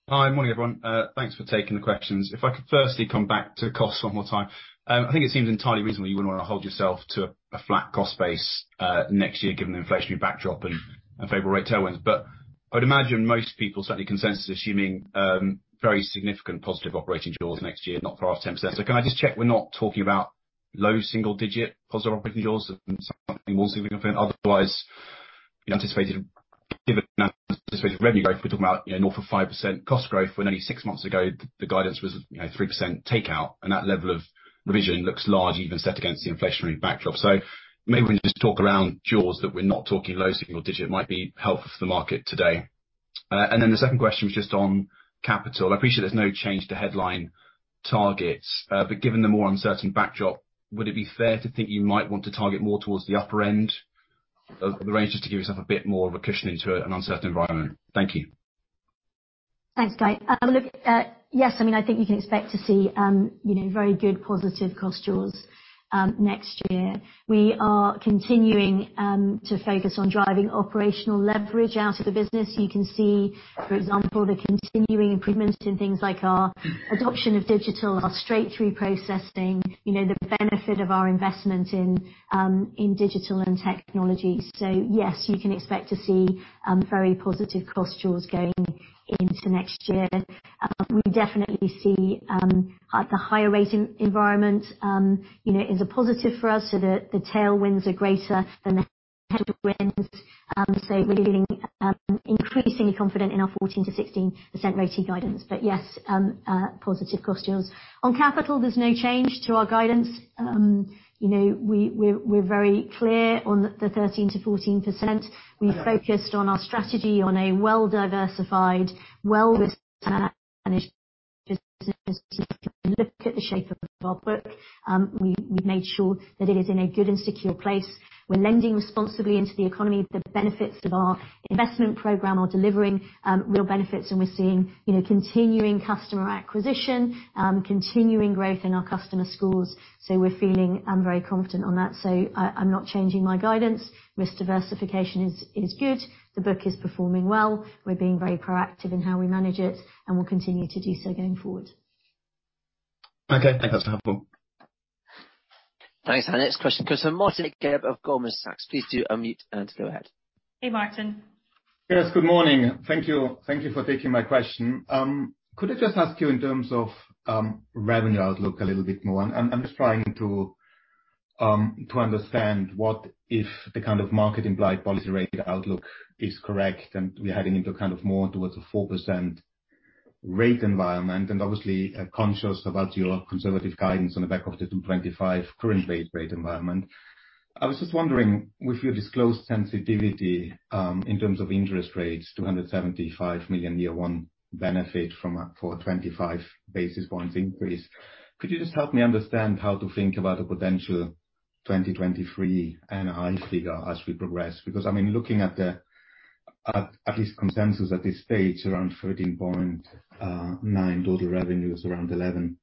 Hi. Morning, everyone. Thanks for taking the questions. If I could firstly come back to costs one more time. I think it seems entirely reasonable you wouldn't wanna hold yourself to a flat cost base, next year given the inflationary backdrop and favorable rate tailwinds. I'd imagine most people, certainly consensus, assuming very significant positive operating jaws next year, not far off 10%. Can I just check we're not talking about low single digit positive operating jaws and something more significant? Otherwise, the anticipated dividend, revenue growth, we're talking about, you know, north of 5% cost growth when only six months ago the guidance was, you know, 3% takeout, and that level of revision looks large even set against the inflationary backdrop. Maybe we can just talk around jaws that we're not talking low single digit might be helpful for the market today. The second question was just on capital. I appreciate there's no change to headline targets, but given the more uncertain backdrop, would it be fair to think you might want to target more towards the upper end of the range just to give yourself a bit more of a cushion into an uncertain environment? Thank you. Thanks, Guy. Yes, I mean, I think you can expect to see, you know, very good positive cost jaws next year. We are continuing to focus on driving operational leverage out of the business. You can see, for example, the continuing improvements in things like our adoption of digital, our straight-through processing, you know, the benefit of our investment in digital and technology. Yes, you can expect to see very positive cost jaws going into next year. We definitely see the higher rate environment, you know, as a positive for us so that the tailwinds are greater than the headwinds. We're feeling increasingly confident in our 14%-16% RoTE guidance. Yes, a positive cost jaws. On capital, there's no change to our guidance. You know, we're very clear on the 13%-14%. We're focused on our strategy on a well-diversified, well-resourced and managed business. If you look at the shape of our book, we've made sure that it is in a good and secure place. We're lending responsibly into the economy. The benefits of our investment program are delivering real benefits, and we're seeing, you know, continuing customer acquisition, continuing growth in our customer scores. We're feeling very confident on that. I'm not changing my guidance. Risk diversification is good. The book is performing well. We're being very proactive in how we manage it, and we'll continue to do so going forward. Okay. Thanks for having me. Thanks. Our next question comes from Martin Leitgeb of Goldman Sachs. Please do unmute and go ahead. Hey, Martin. Yes, good morning. Thank you. Thank you for taking my question. Could I just ask you in terms of revenue outlook a little bit more? I'm just trying to understand what if the kind of market implied policy rate outlook is correct, and we're heading into a kind of more towards a 4% rate environment, and obviously conscious about your conservative guidance on the back of the 2.25 current base rate environment. I was just wondering with your disclosed sensitivity in terms of interest rates, 275 million year one benefit for a 25 basis points increase. Could you just help me understand how to think about a potential 2023 NI figure as we progress? Because, I mean, looking at least consensus at this stage, around 13.9 total revenues, around 11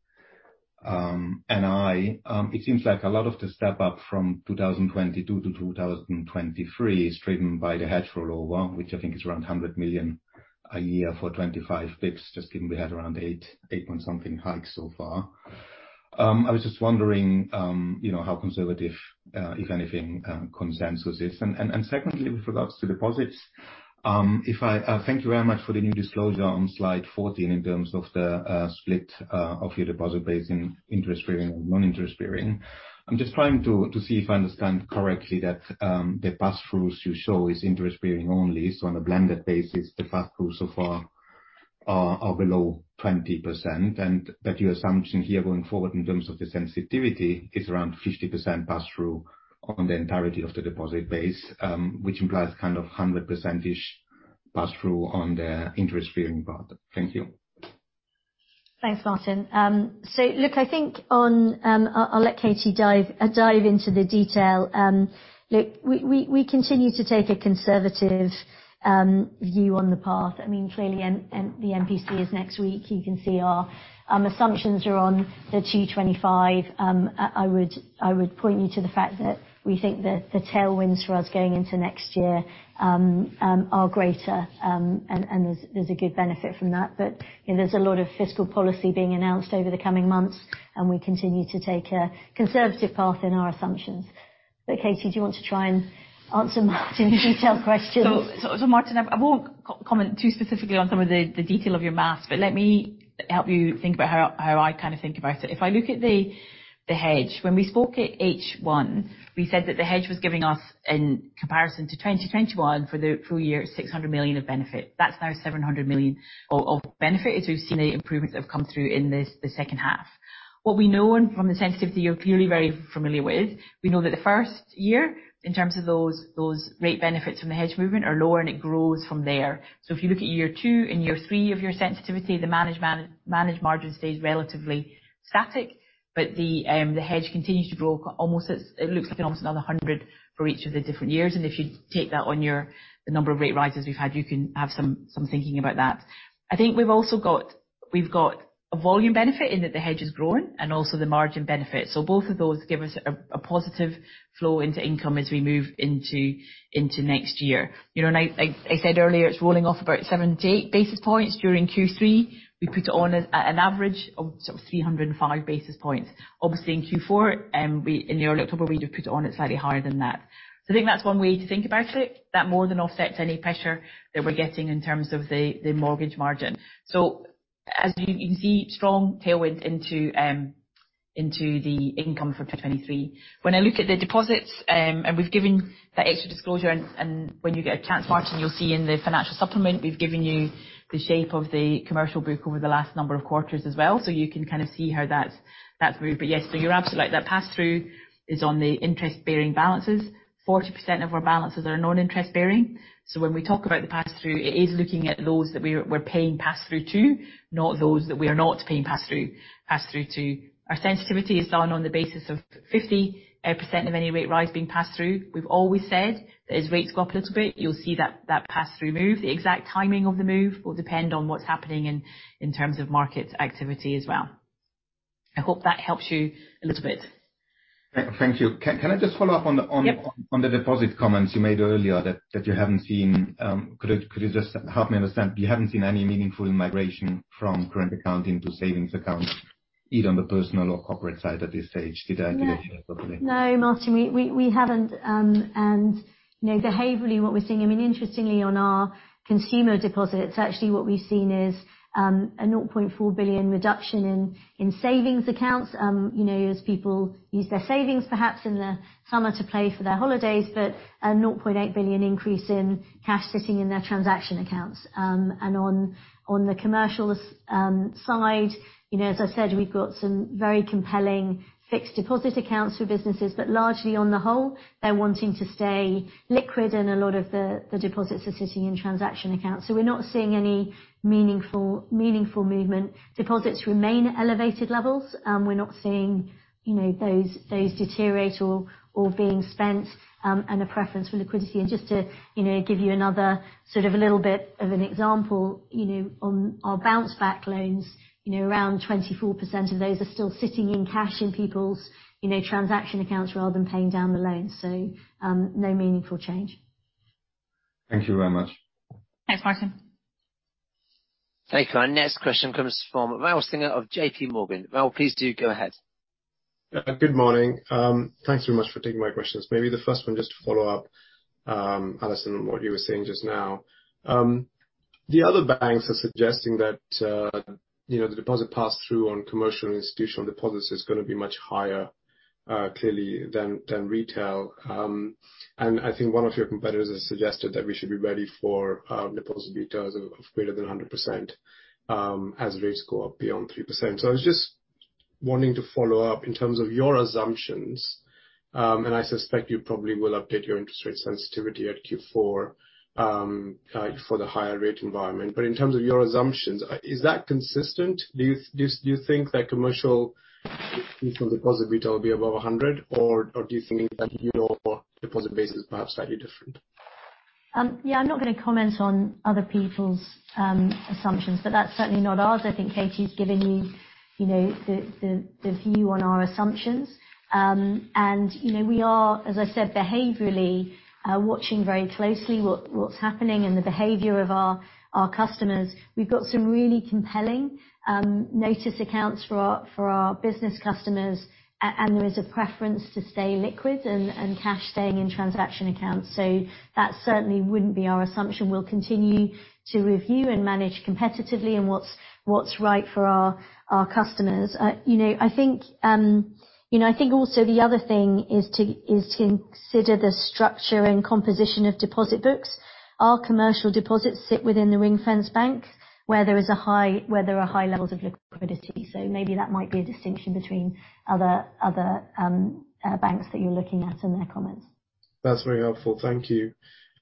NII, it seems like a lot of the step up from 2022 to 2023 is driven by the hedge rollover, which I think is around 100 million a year for 25 basis points, just given we had around eight point something hikes so far. I was just wondering, you know, how conservative, if anything, consensus is. Secondly, with regards to deposits, thank you very much for the new disclosure on slide 14 in terms of the split of your deposit base in interest-bearing and non-interest-bearing. I'm just trying to see if I understand correctly that the pass-throughs you show is interest-bearing only. On a blended basis, the pass-throughs so far are below 20%, and that your assumption here going forward in terms of the sensitivity is around 50% pass-through on the entirety of the deposit base, which implies kind of 100% pass-through on the interest-bearing product. Thank you. Thanks, Martin. Look, I think on, I'll let Katie dive into the detail. Look, we continue to take a conservative view on the path. I mean, clearly, the MPC is next week. You can see our assumptions are on the 2.25. I would point you to the fact that we think the tailwinds for us going into next year are greater, and there's a good benefit from that. You know, there's a lot of fiscal policy being announced over the coming months, and we continue to take a conservative path in our assumptions. Katie, do you want to try and answer Martin's detailed questions? Martin, I won't comment too specifically on some of the detail of your math, but let me help you think about how I kind of think about it. If I look at the hedge, when we spoke at H1, we said that the hedge was giving us, in comparison to 2021 for the full year, 600 million of benefit. That's now 700 million of benefit, as we've seen the improvements that have come through in this, the second half. What we know, and from the sensitivity you're clearly very familiar with, we know that the first year, in terms of those rate benefits from the hedge movement are lower, and it grows from there. If you look at year 2 and year 3 of your sensitivity, the managed margin stays relatively static, but the hedge continues to grow. It looks like almost another 100 for each of the different years. If you take that on your, the number of rate rises we've had, you can have some thinking about that. I think we've also got- We've got a volume benefit in that the hedge is growing and also the margin benefit. Both of those give us a positive flow into income as we move into next year. I said earlier, it's rolling off about 7-8 basis points during Q3. We put on an average of sort of 305 basis points. Obviously in Q4, in the early October we put on it slightly higher than that. I think that's one way to think about it, that more than offsets any pressure that we're getting in terms of the mortgage margin. As you can see, strong tailwind into the income for 2023. When I look at the deposits, and we've given the extra disclosure, and when you get a chance, Martin, you'll see in the financial supplement, we've given you the shape of the commercial book over the last number of quarters as well. You can kind of see how that's moved. Yes, you're absolutely right. That pass-through is on the interest-bearing balances. 40% of our balances are non-interest-bearing. When we talk about the pass-through, it is looking at those that we're paying pass-through to, not those that we are not paying pass-through to. Our sensitivity is done on the basis of 50% of any rate rise being passed through. We've always said that as rates go up a little bit, you'll see that pass-through move. The exact timing of the move will depend on what's happening in terms of market activity as well. I hope that helps you a little bit. Thank you. Can I just follow up on the Yes. On the deposit comments you made earlier that you haven't seen. Could you just help me understand? You haven't seen any meaningful migration from current account into savings accounts, either on the personal or corporate side at this stage. Did I hear you correctly? No, Martin, we haven't. You know, behaviorally, what we're seeing. I mean, interestingly, on our consumer deposits, actually what we've seen is a 0.4 billion reduction in savings accounts, you know, as people use their savings, perhaps in the summer to pay for their holidays. A 0.8 billion increase in cash sitting in their transaction accounts. On the commercial side, you know, as I said, we've got some very compelling fixed deposit accounts for businesses. Largely on the whole, they're wanting to stay liquid, and a lot of the deposits are sitting in transaction accounts. We're not seeing any meaningful movement. Deposits remain at elevated levels. We're not seeing, you know, those deteriorate or being spent, and a preference for liquidity. Just to, you know, give you another sort of a little bit of an example, you know, on our Bounce Back Loans, you know, around 24% of those are still sitting in cash in people's, you know, transaction accounts rather than paying down the loan. No meaningful change. Thank you very much. Thanks, Martin. Thank you. Our next question comes from Raul Sinha of JPMorgan. Raul, please do go ahead. Good morning. Thanks very much for taking my questions. Maybe the first one just to follow up, Alison, what you were saying just now. The other banks are suggesting that, you know, the deposit pass-through on commercial and institutional deposits is gonna be much higher, clearly than retail. I think one of your competitors has suggested that we should be ready for deposit betas of greater than 100%, as rates go up beyond 3%. I was just wanting to follow up in terms of your assumptions, and I suspect you probably will update your interest rate sensitivity at Q4 for the higher rate environment. In terms of your assumptions, is that consistent? Do you think that commercial institutional deposit beta will be above 100, or do you think that your deposit base is perhaps slightly different? Yeah, I'm not gonna comment on other people's assumptions, but that's certainly not ours. I think Katie's given you know, the view on our assumptions. You know, we are, as I said, behaviorally, watching very closely what's happening and the behavior of our customers. We've got some really compelling notice accounts for our business customers, and there is a preference to stay liquid and cash staying in transaction accounts. That certainly wouldn't be our assumption. We'll continue to review and manage competitively and what's right for our customers. You know, I think, you know, I think also the other thing is to consider the structure and composition of deposit books. Our commercial deposits sit within the ring-fenced bank, where there is a high... where there are high levels of liquidity. Maybe that might be a distinction between other banks that you're looking at in their comments. That's very helpful. Thank you.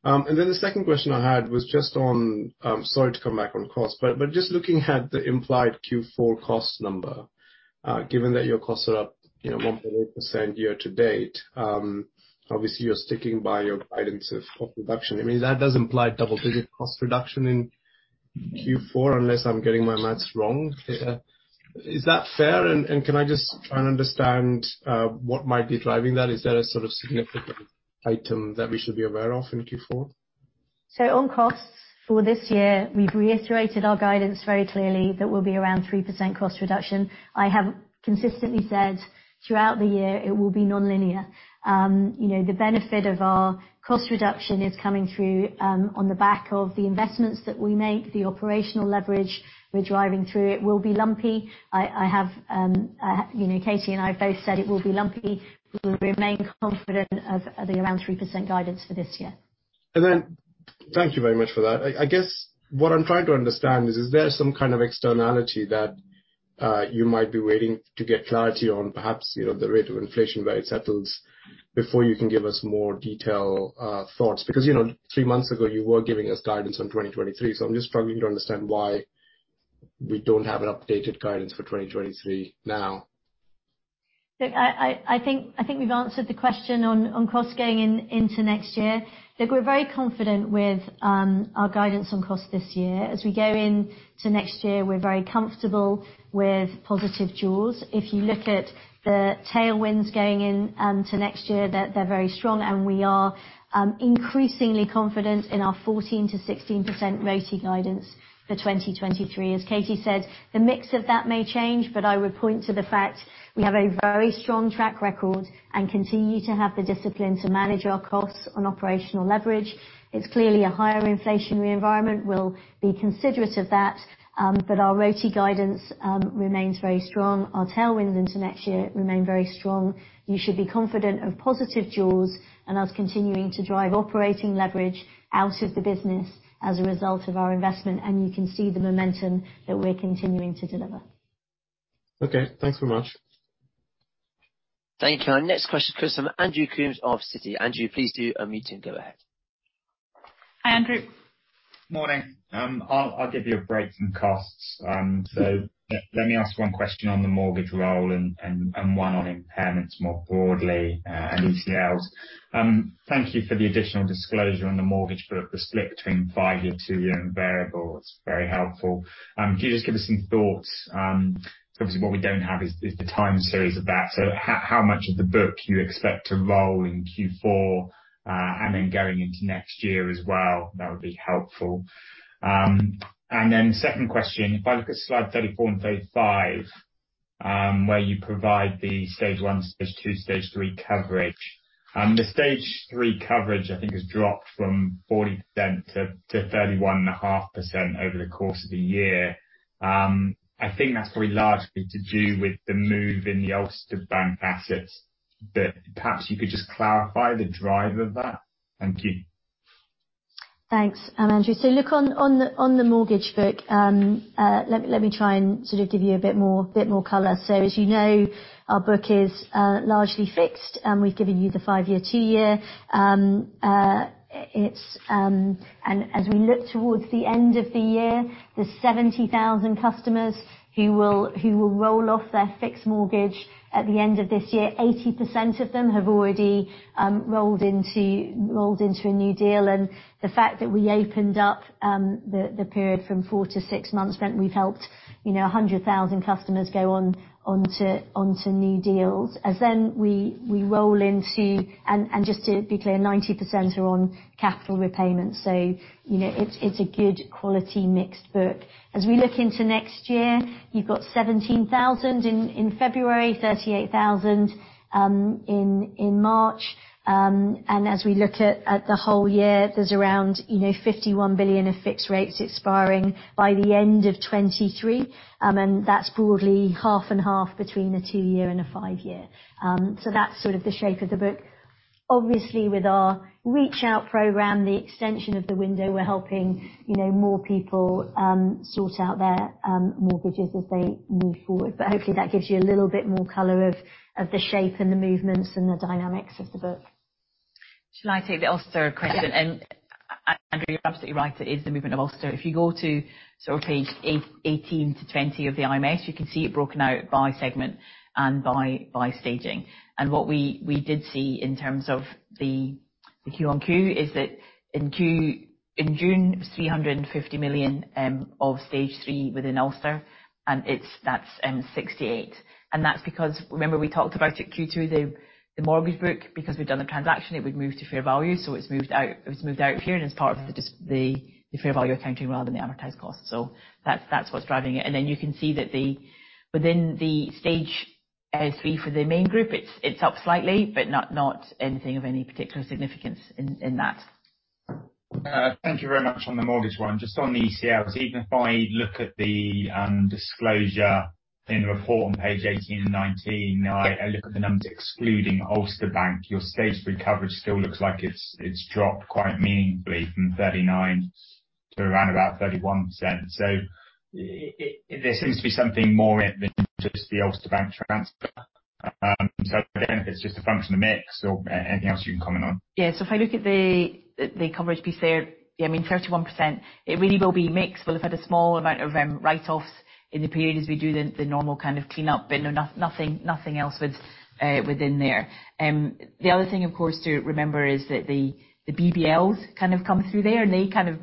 The second question I had was just on, sorry to come back on cost, but just looking at the implied Q4 cost number, given that your costs are up, you know, 1.8% year-to-date, obviously you're sticking by your guidance of cost reduction. I mean, that does imply double-digit cost reduction in Q4, unless I'm getting my math wrong. Is that fair? Can I just try and understand what might be driving that? Is there a sort of significant item that we should be aware of in Q4? On costs for this year, we've reiterated our guidance very clearly that we'll be around 3% cost reduction. I have consistently said throughout the year it will be nonlinear. You know, the benefit of our cost reduction is coming through on the back of the investments that we make, the operational leverage we're driving through. It will be lumpy. You know, Katie and I have both said it will be lumpy. We remain confident of the around 3% guidance for this year. Thank you very much for that. I guess what I'm trying to understand is there some kind of externality that you might be waiting to get clarity on, perhaps, you know, the rate of inflation where it settles before you can give us more detail, thoughts? Because, you know, three months ago, you were giving us guidance on 2023, so I'm just struggling to understand why we don't have an updated guidance for 2023 now. Look, I think we've answered the question on costs going into next year. Look, we're very confident with our guidance on cost this year. As we go into next year, we're very comfortable with positive jaws. If you look at the tailwinds going into next year, they're very strong, and we are increasingly confident in our 14%-16% RoTE guidance for 2023. As Katie said, the mix of that may change, but I would point to the fact we have a very strong track record and continue to have the discipline to manage our costs on operational leverage. It's clearly a higher inflationary environment. We'll be considerate of that, but our RoTE guidance remains very strong. Our tailwinds into next year remain very strong. You should be confident of positive jaws and us continuing to drive operating leverage out of the business as a result of our investment, and you can see the momentum that we're continuing to deliver. Okay, thanks very much. Thank you. Our next question comes from Andrew Coombs of Citi. Andrew, please do unmute and go ahead. Hi, Andrew. Morning. I'll give you a break from costs. Let me ask one question on the mortgage roll and one on impairments more broadly, and ECLs. Thank you for the additional disclosure on the mortgage book, the split between five-year, two-year and variable. It's very helpful. Can you just give us some thoughts on, obviously what we don't have is the time series of that. How much of the book you expect to roll in Q4, and then going into next year as well? That would be helpful. And then second question, if I look at slide 34 and 35, where you provide the stage one, stage two, stage three coverage. The stage three coverage, I think, has dropped from 40% to 31.5% over the course of the year. I think that's probably largely to do with the move in the Ulster Bank assets, but perhaps you could just clarify the driver of that. Thank you. Thanks, Andrew. Look, on the mortgage book, let me try and sort of give you a bit more color. As you know, our book is largely fixed, and we've given you the five-year, two-year. As we look towards the end of the year, there's 70,000 customers who will roll off their fixed mortgage at the end of this year. 80% of them have already rolled into a new deal. The fact that we opened up the period from 4-6 months meant we've helped, you know, 100,000 customers go onto new deals. As then we roll into. Just to be clear, 90% are on capital repayment, so, you know, it's a good quality mixed book. As we look into next year, you've got 17,000 in February, 38,000 in March. As we look at the whole year, there's around, you know, 51 billion of fixed rates expiring by the end of 2023. That's broadly half and half between a two-year and a five-year. That's sort of the shape of the book. Obviously, with our Reach Out program, the extension of the window, we're helping, you know, more people sort out their mortgages as they move forward. Hopefully that gives you a little bit more color of the shape and the movements and the dynamics of the book. Shall I take the Ulster question? Yeah. Andrew, you're absolutely right, it is the movement of Ulster. If you go to sort of page eighteen to twenty of the IMS, you can see it broken out by segment and by staging. What we did see in terms of the Q-on-Q is that in June, it was 350 million of stage three within Ulster, and that's 68 million. That's because, remember we talked about at Q2 the mortgage book, because we'd done the transaction, it would move to fair value. It's moved out, it was moved out of here and it's part of the fair value accounting rather than the amortised cost. That's what's driving it. You can see that within the stage three for the main group, it's up slightly, but not anything of any particular significance in that. Thank you very much on the mortgage one. Just on the ECL, even if I look at the disclosure in the report on page 18 and 19, I look at the numbers excluding Ulster Bank, your stage three coverage still looks like it's dropped quite meaningfully from 39% to around about 31%. There seems to be something more in it than just the Ulster Bank transfer. I don't know if it's just a function of mix or anything else you can comment on. Yeah. If I look at the coverage piece there, I mean, 31%, it really will be mix. We'll have had a small amount of write-offs in the period as we do the normal kind of cleanup, but nothing else within there. The other thing, of course, to remember is that the BBLs kind of come through there, and they kind of,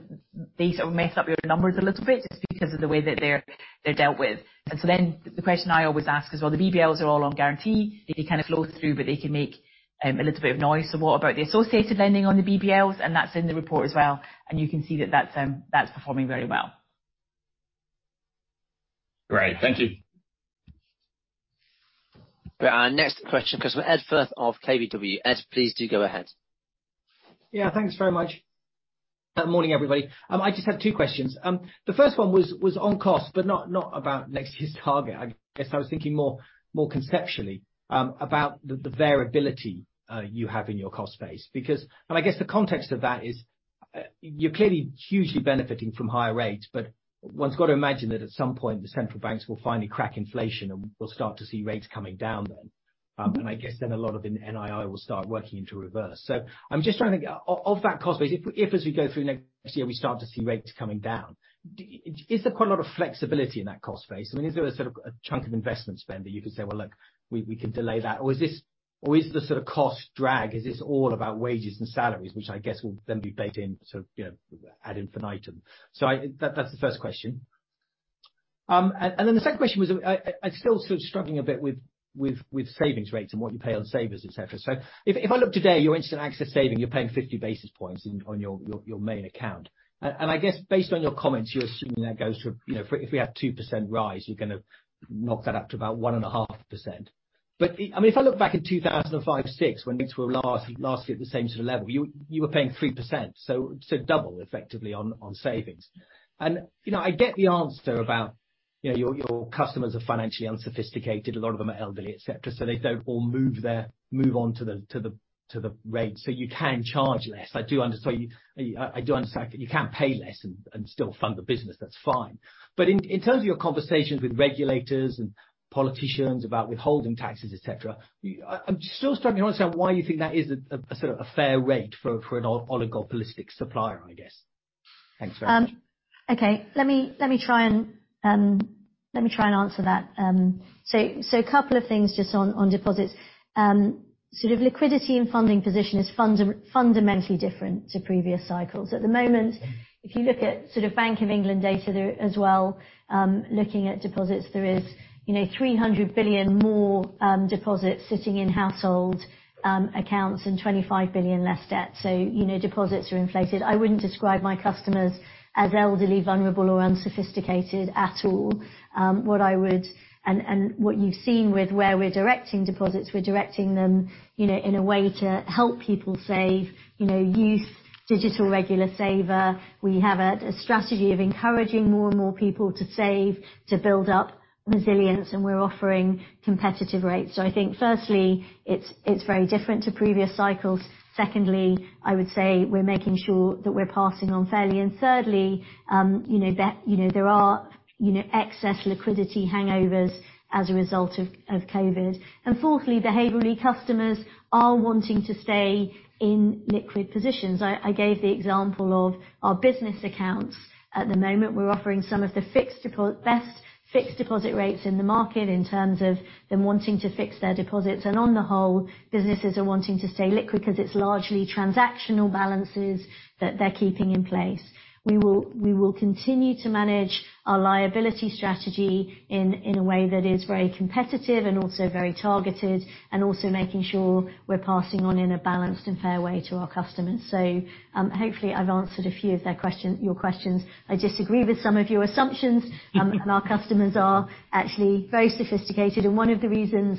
they sort of mess up your numbers a little bit just because of the way that they're dealt with. The question I always ask is, well, the BBLs are all on guarantee. They kind of flow through, but they can make a little bit of noise. What about the associated lending on the BBLs? That's in the report as well. You can see that that's performing very well. Great. Thank you. Our next question comes from Ed Firth of KBW. Ed, please do go ahead. Yeah, thanks very much. Morning, everybody. I just have two questions. The first one was on cost, but not about next year's target. I guess I was thinking more conceptually about the variability you have in your cost base. I guess the context of that is, you're clearly hugely benefiting from higher rates, but one's got to imagine that at some point the central banks will finally crack inflation, and we'll start to see rates coming down then. I guess then a lot of NII will start working into reverse. I'm just trying to think of that cost base, if as we go through next year, we start to see rates coming down, is there quite a lot of flexibility in that cost base? I mean, is there a sort of a chunk of investment spend that you could say, "Well, look, we can delay that," or is the sort of cost drag all about wages and salaries, which I guess will then be baked in, so you know, ad infinitum? That's the first question. The second question was, I'm still sort of struggling a bit with savings rates and what you pay on savers, et cetera. If I look today, your instant access saving, you're paying 50 basis points on your main account. I guess based on your comments, you're assuming that goes to, you know, if we have 2% rise, you're gonna knock that up to about 1.5%. I mean, if I look back in 2005, 2006, when rates were lastly at the same sort of level, you were paying 3%, so double effectively on savings. You know, I get the answer about, you know, your customers are financially unsophisticated, a lot of them are elderly, et cetera, so they don't all move on to the rates. You can charge less. I do understand you. I do understand that you can't pay less and still fund the business. That's fine. In terms of your conversations with regulators and politicians about withholding taxes, et cetera, you. I'm still struggling to understand why you think that is a sort of a fair rate for an oligopolistic supplier, I guess. Thanks very much. Okay. Let me try and answer that. So a couple of things just on deposits. Sort of liquidity and funding position is fundamentally different to previous cycles. At the moment, if you look at sort of Bank of England data there as well, looking at deposits, there is, you know, 300 billion more deposits sitting in household accounts and 25 billion less debt. So, you know, deposits are inflated. I wouldn't describe my customers as elderly, vulnerable, or unsophisticated at all. What I would and what you've seen with where we're directing deposits, we're directing them, you know, in a way to help people save, you know, youth, digital regular saver. We have a strategy of encouraging more and more people to save, to build up resilience, and we're offering competitive rates. I think firstly, it's very different to previous cycles. Secondly, I would say we're making sure that we're passing on fairly. Thirdly, you know, there are excess liquidity hangovers as a result of COVID. Fourthly, behaviorally, customers are wanting to stay in liquid positions. I gave the example of our business accounts. At the moment, we're offering some of the best fixed deposit rates in the market in terms of them wanting to fix their deposits. On the whole, businesses are wanting to stay liquid 'cause it's largely transactional balances that they're keeping in place. We will continue to manage our liability strategy in a way that is very competitive and also very targeted, and also making sure we're passing on in a balanced and fair way to our customers. Hopefully I've answered a few of your questions. I disagree with some of your assumptions. Our customers are actually very sophisticated. One of the reasons,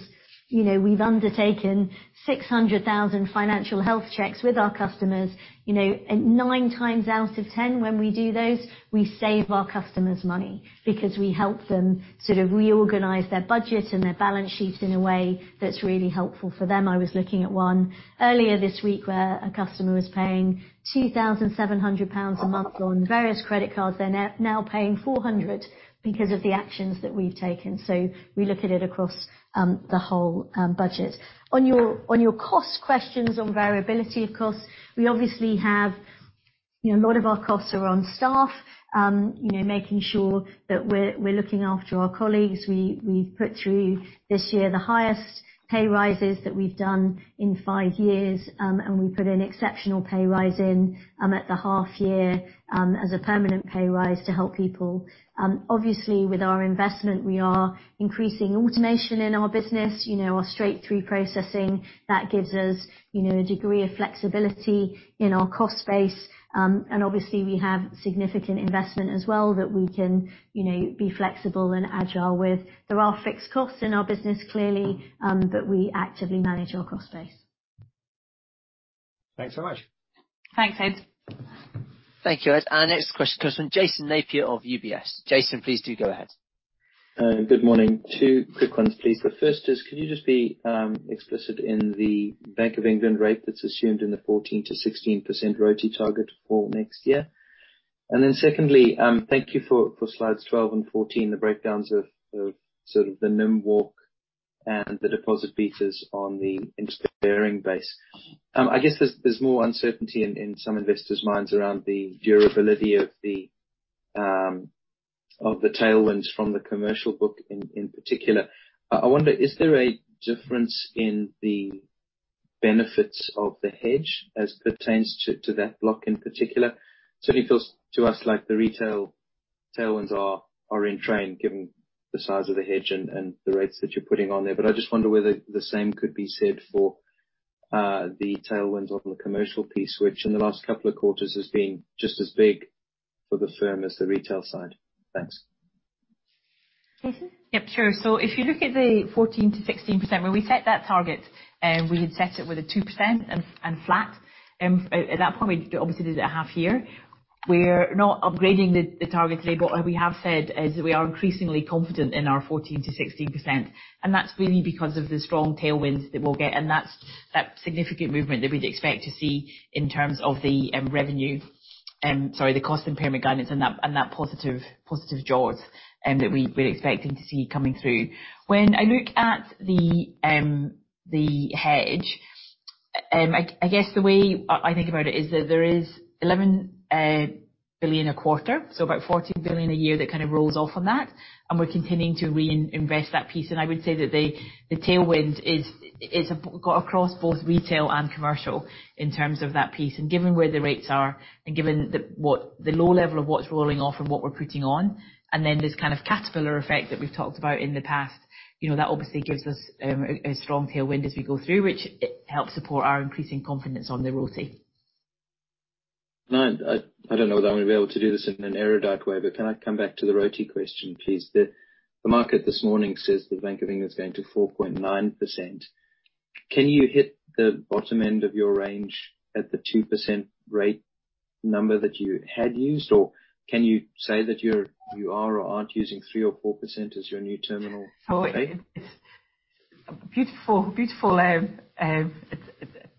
you know, we've undertaken 600,000 financial health checks with our customers, you know, and nine times out of ten, when we do those, we save our customers money because we help them sort of reorganize their budget and their balance sheets in a way that's really helpful for them. I was looking at one earlier this week where a customer was paying 2,700 pounds a month on various credit cards. They're now paying 400 because of the actions that we've taken. We look at it across the whole budget. On your cost questions on variability of costs, we obviously have, you know, a lot of our costs are on staff, you know, making sure that we're looking after our colleagues. We put through this year the highest pay raises that we've done in 5 years, and we put an exceptional pay raise in at the half year as a permanent pay raise to help people. Obviously with our investment, we are increasing automation in our business, you know, our straight-through processing, that gives us, you know, a degree of flexibility in our cost base. Obviously we have significant investment as well that we can, you know, be flexible and agile with. There are fixed costs in our business, clearly, but we actively manage our cost base. Thanks so much. Thanks, Ed. Thank you, Ed. Our next question comes from Jason Napier of UBS. Jason, please do go ahead. Good morning. Two quick ones, please. The first is, could you just be explicit in the Bank of England rate that's assumed in the 14%-16% RoTE target for next year? Then secondly, thank you for slides 12 and 14, the breakdowns of sort of the NIM walk and the deposit betas on the interest-bearing base. I guess there's more uncertainty in some investors' minds around the durability of the tailwinds from the commercial book in particular. I wonder, is there a difference in the benefits of the hedge as pertains to that block in particular? Certainly feels to us like the retail tailwinds are in train given the size of the hedge and the rates that you're putting on there. I just wonder whether the same could be said for the tailwinds on the commercial piece, which in the last couple of quarters has been just as big for the firm as the retail side. Thanks. Jason? Yep, sure. If you look at the 14%-16%, when we set that target, we had set it with a 2% and flat. At that point, we obviously did it at half year. We're not upgrading the target today, but what we have said is we are increasingly confident in our 14%-16%. That's really because of the strong tailwinds that we'll get, and that's the significant movement that we'd expect to see in terms of the revenue, the cost impairment guidance and that positive jaws that we're expecting to see coming through. When I look at the hedge, I guess the way I think about it is that there is 11 billion a quarter, so about 14 billion a year that kind of rolls off on that, and we're continuing to reinvest that piece. I would say that the tailwind is across both retail and commercial in terms of that piece. Given where the rates are, and given the low level of what's rolling off and what we're putting on, and then this kind of caterpillar effect that we've talked about in the past, you know, that obviously gives us a strong tailwind as we go through, which it helps support our increasing confidence on the ROTE. I don't know that I'm gonna be able to do this in an erudite way, but can I come back to the ROTE question, please? The market this morning says the Bank of England is going to 4.9%. Can you hit the bottom end of your range at the 2% rate number that you had used? Or can you say that you are or aren't using 3% or 4% as your new terminal rate? Oh, it's beautiful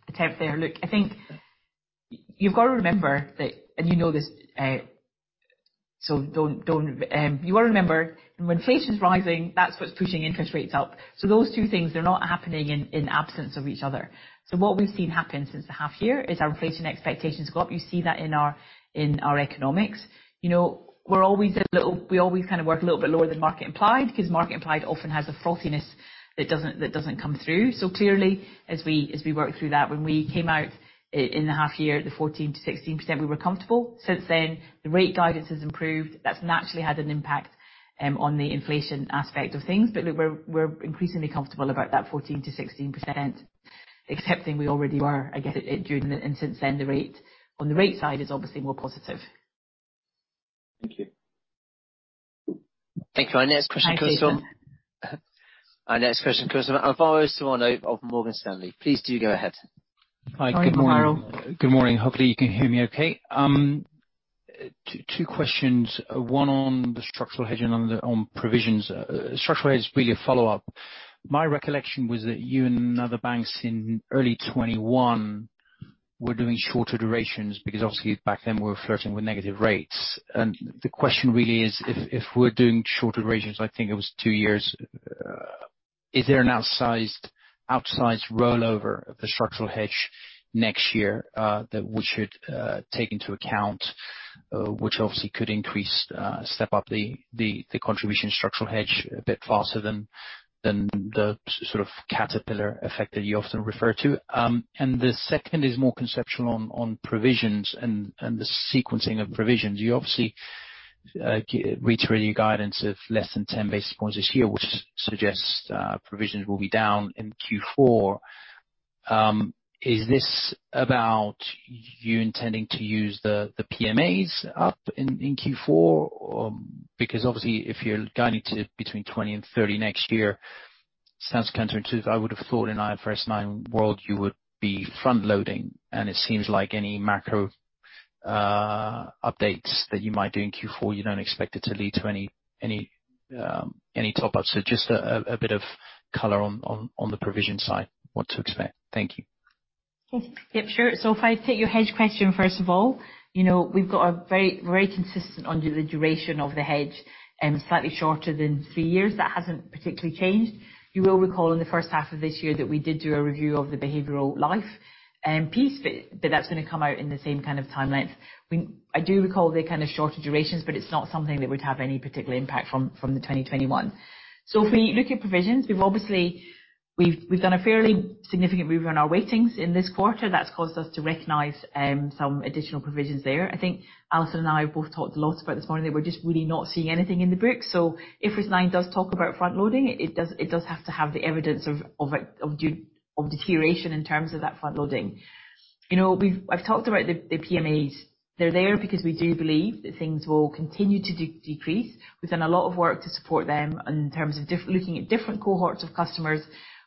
attempt there. Look, I think you've got to remember that, and you know this. You got to remember when inflation's rising, that's what's pushing interest rates up. Those two things, they're not happening in absence of each other. What we've seen happen since the half year is our inflation expectations go up. You see that in our economics. You know, we always kind of work a little bit lower than market implied 'cause market implied often has a frothiness that doesn't come through. Clearly, as we work through that, when we came out in the half year at the 14%-16%, we were comfortable. Since then, the rate guidance has improved. That's naturally had an impact on the inflation aspect of things. Look, we're increasingly comfortable about that 14%-16%, expecting we already were, I guess. Since then, the rate, on the rate side is obviously more positive. Thank you. Thank you. Our next question comes from. Hi, Peter. Our next question comes from Alvaro Serrano of Morgan Stanley. Please do go ahead. Hi, Alvaro. Hi. Good morning. Hopefully, you can hear me okay. Two questions, one on the structural hedging on provisions. Structural hedge is really a follow-up. My recollection was that you and other banks in early 2021 were doing shorter durations because obviously back then we were flirting with negative rates. The question really is, if we're doing shorter durations, I think it was two years, is there an outsized rollover of the structural hedge next year that we should take into account, which obviously could step up the contribution from the structural hedge a bit faster than the sort of caterpillar effect that you often refer to? The second is more conceptual on provisions and the sequencing of provisions. You obviously reiterate your guidance of less than ten basis points this year, which suggests provisions will be down in Q4. Is this about you intending to use the PMAs up in Q4? Because obviously if you're guiding to between 20 and 30 next year, sounds counterintuitive. I would have thought in IFRS 9 world you would be front-loading, and it seems like any macro updates that you might do in Q4, you don't expect it to lead to any top-ups. Just a bit of color on the provision side, what to expect. Thank you. Yep, sure. If I take your hedge question, first of all, you know, we've got a very, very consistent on the duration of the hedge, slightly shorter than three years. That hasn't particularly changed. You will recall in the first half of this year that we did do a review of the behavioral life and piece, but that's gonna come out in the same kind of time length. I do recall the kind of shorter durations, but it's not something that would have any particular impact from 2021. If we look at provisions, we've obviously done a fairly significant review on our weightings in this quarter. That's caused us to recognize some additional provisions there. I think Alison and I both talked a lot about this morning, that we're just really not seeing anything in the books. IFRS 9 does talk about front loading. It does have to have the evidence of a deterioration in terms of that front loading. You know, I've talked about the PMAs. They're there because we do believe that things will continue to decrease. We've done a lot of work to support them in terms of looking at different cohorts of customers,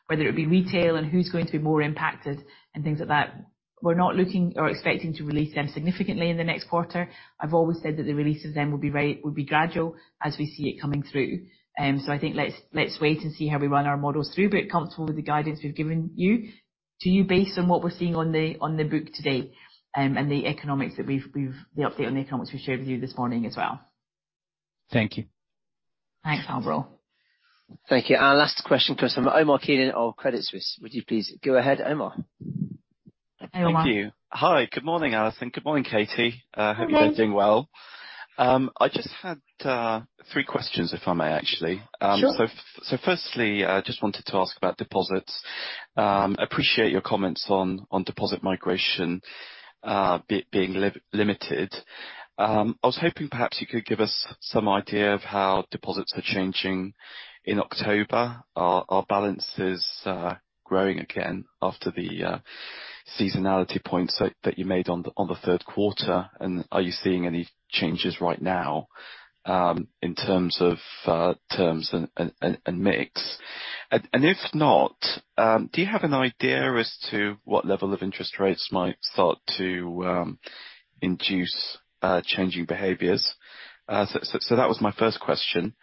whether it be retail and who's going to be more impacted and things like that. We're not looking or expecting to release them significantly in the next quarter. I've always said that the release of them will be gradual as we see it coming through. I think let's wait and see how we run our models through, but it comes from the guidance we've given you, to you based on what we're seeing on the book today, and the economics that we've. The update on the economics we shared with you this morning as well. Thank you. Thanks, Alvaro. Thank you. Our last question comes from Omar Keenan of Credit Suisse. Would you please go ahead, Omar? Hi, Omar. Thank you. Hi, good morning, Alison. Good morning, Katie. Good morning. Hope you're both doing well. I just had three questions, if I may, actually. Sure. Firstly, I just wanted to ask about deposits. I appreciate your comments on deposit migration being limited. I was hoping perhaps you could give us some idea of how deposits are changing in October. Are balances growing again after the seasonality points that you made on the third quarter? Are you seeing any changes right now in terms of terms and mix? If not, do you have an idea as to what level of interest rates might start to induce changing behaviors? That was my first question.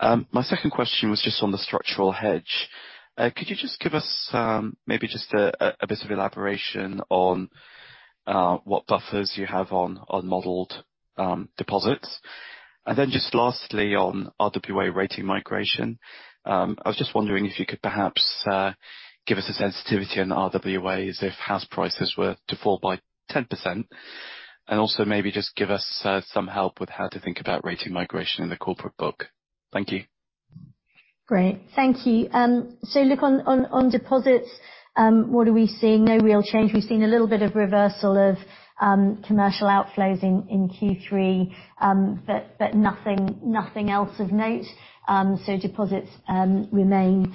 My second question was just on the structural hedge. Could you just give us maybe just a bit of elaboration on What buffers you have on modeled deposits. Just lastly, on RWA rating migration, I was just wondering if you could perhaps give us a sensitivity on RWA as if house prices were to fall by 10%, and also maybe just give us some help with how to think about rating migration in the corporate book. Thank you. Great. Thank you. Look, on deposits, what are we seeing? No real change. We've seen a little bit of reversal of commercial outflows in Q3, but nothing else of note. Deposits remain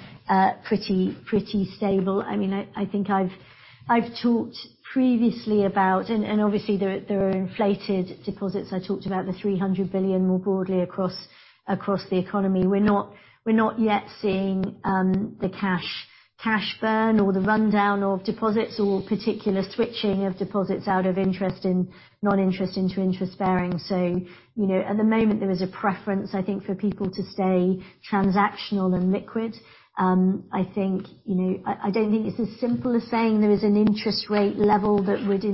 pretty stable. I mean, I think I've talked previously about, and obviously there are inflated deposits. I talked about the 300 billion more broadly across the economy. We're not yet seeing the cash burn or the rundown of deposits or particular switching of deposits out of non-interest-bearing into interest-bearing. You know, at the moment, there is a preference, I think, for people to stay transactional and liquid. I think, you know. I don't think it's as simple as saying there is an interest rate level that would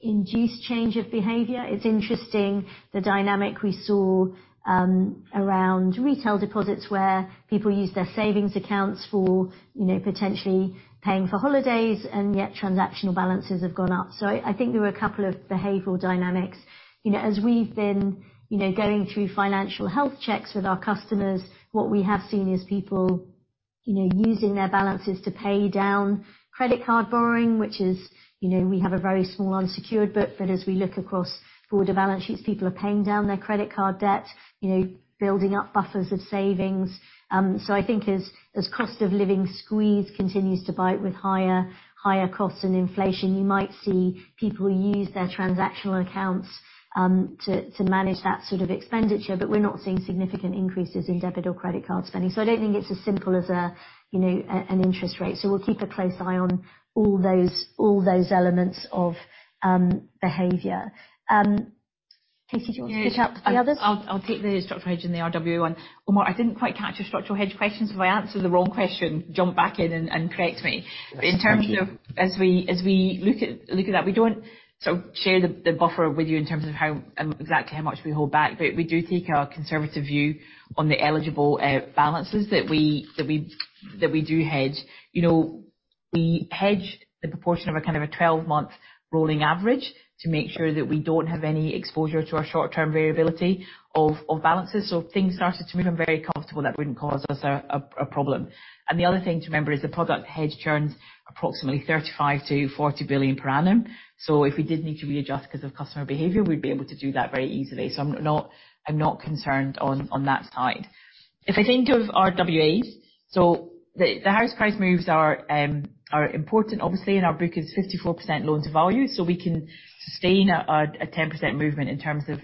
induce change of behavior. It's interesting the dynamic we saw around retail deposits where people use their savings accounts for, you know, potentially paying for holidays, and yet transactional balances have gone up. I think there were a couple of behavioral dynamics. You know, as we've been going through financial health checks with our customers, what we have seen is people, you know, using their balances to pay down credit card borrowing, which is, you know, we have a very small unsecured book. But as we look across broader balance sheets, people are paying down their credit card debt, you know, building up buffers of savings. I think as cost of living squeeze continues to bite with higher costs and inflation, you might see people use their transactional accounts to manage that sort of expenditure. We're not seeing significant increases in debit or credit card spending. I don't think it's as simple as a, you know, an interest rate. We'll keep a close eye on all those elements of behavior. Katie, do you want to switch up with the others? Yeah. I'll take the structured hedge and the RWA one. Omar, I didn't quite catch your structural hedge question, so if I answer the wrong question, jump back in and correct me. Thank you. In terms of as we look at that, we don't sort of share the buffer with you in terms of how exactly how much we hold back, but we do take a conservative view on the eligible balances that we do hedge. You know, we hedge the proportion of a kind of a 12-month rolling average to make sure that we don't have any exposure to our short-term variability of balances. If things started to move, I'm very comfortable that wouldn't cause us a problem. The other thing to remember is the product hedge turns approximately 35-40 billion per annum. If we did need to readjust 'cause of customer behavior, we'd be able to do that very easily. I'm not concerned on that side. If I think of RWAs, the house price moves are important obviously, and our book is 54% loan-to-value, so we can sustain a 10% movement in terms of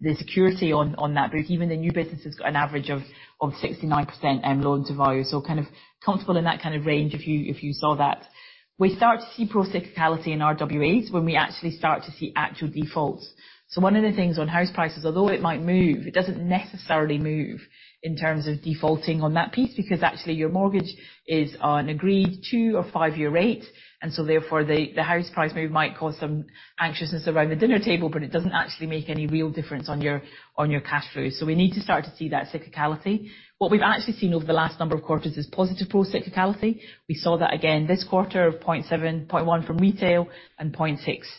the security on that book. Even the new business has got an average of 69% loan-to-value. Kind of comfortable in that kind of range if you saw that. We start to see procyclicality in RWAs when we actually start to see actual defaults. One of the things on house prices, although it might move, it doesn't necessarily move in terms of defaulting on that piece, because actually your mortgage is on agreed 2- or 5-year rate. The house price move might cause some anxiousness around the dinner table, but it doesn't actually make any real difference on your cash flow. We need to start to see that cyclicality. What we've actually seen over the last number of quarters is positive procyclicality. We saw that again this quarter of 0.7, 0.1 from retail and 0.6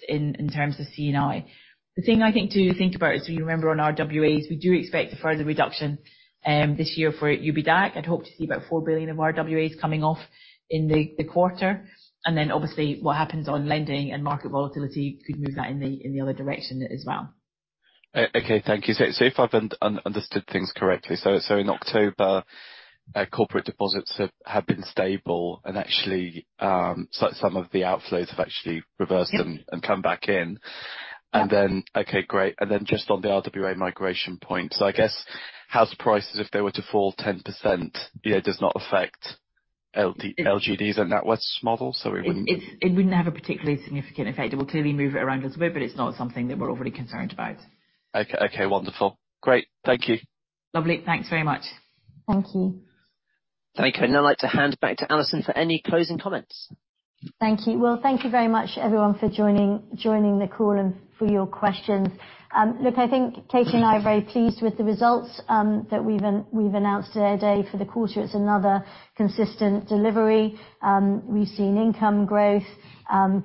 in terms of C&I. The thing I think to think about is, you remember on RWAs, we do expect a further reduction this year for Ulster Bank. I'd hope to see about 4 billion of RWAs coming off in the quarter. Obviously, what happens on lending and market volatility could move that in the other direction as well. Okay. Thank you. If I've understood things correctly, in October, corporate deposits have been stable and actually, some of the outflows have actually reversed. Yeah. Come back in. Yeah. Just on the RWA migration point. I guess house prices, if they were to fall 10%, yeah, does not affect LGDs. LGDs and NatWest's model, so it wouldn't. It wouldn't have a particularly significant effect. It will clearly move it around a little bit, but it's not something that we're overly concerned about. Okay. Wonderful. Great. Thank you. Lovely. Thanks very much. Thank you. Thank you. I'd now like to hand back to Alison for any closing comments. Thank you. Well, thank you very much everyone for joining the call and for your questions. Look, I think Katie and I are very pleased with the results that we've announced today for the quarter. It's another consistent delivery. We've seen income growth,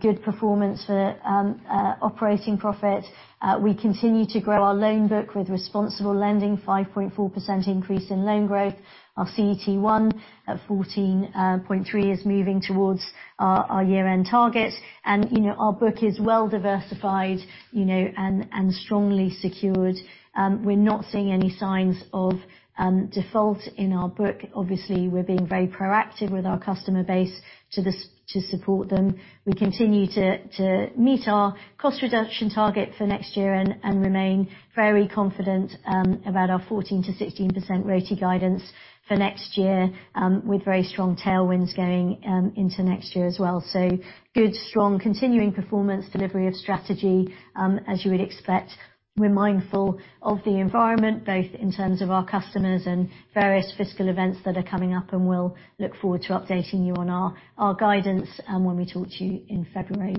good performance for operating profit. We continue to grow our loan book with responsible lending, 5.4% increase in loan growth. Our CET1 at 14.3 is moving towards our year-end target. You know, our book is well diversified, you know, and strongly secured. We're not seeing any signs of default in our book. Obviously, we're being very proactive with our customer base to support them. We continue to meet our cost reduction target for next year and remain very confident about our 14%-16% RoTE guidance for next year, with very strong tailwinds going into next year as well. Good, strong continuing performance, delivery of strategy, as you would expect. We're mindful of the environment, both in terms of our customers and various fiscal events that are coming up, and we'll look forward to updating you on our guidance when we talk to you in February.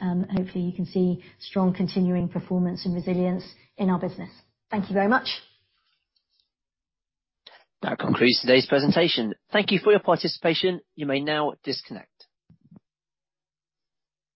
Hopefully you can see strong continuing performance and resilience in our business. Thank you very much. That concludes today's presentation. Thank you for your participation. You may now disconnect.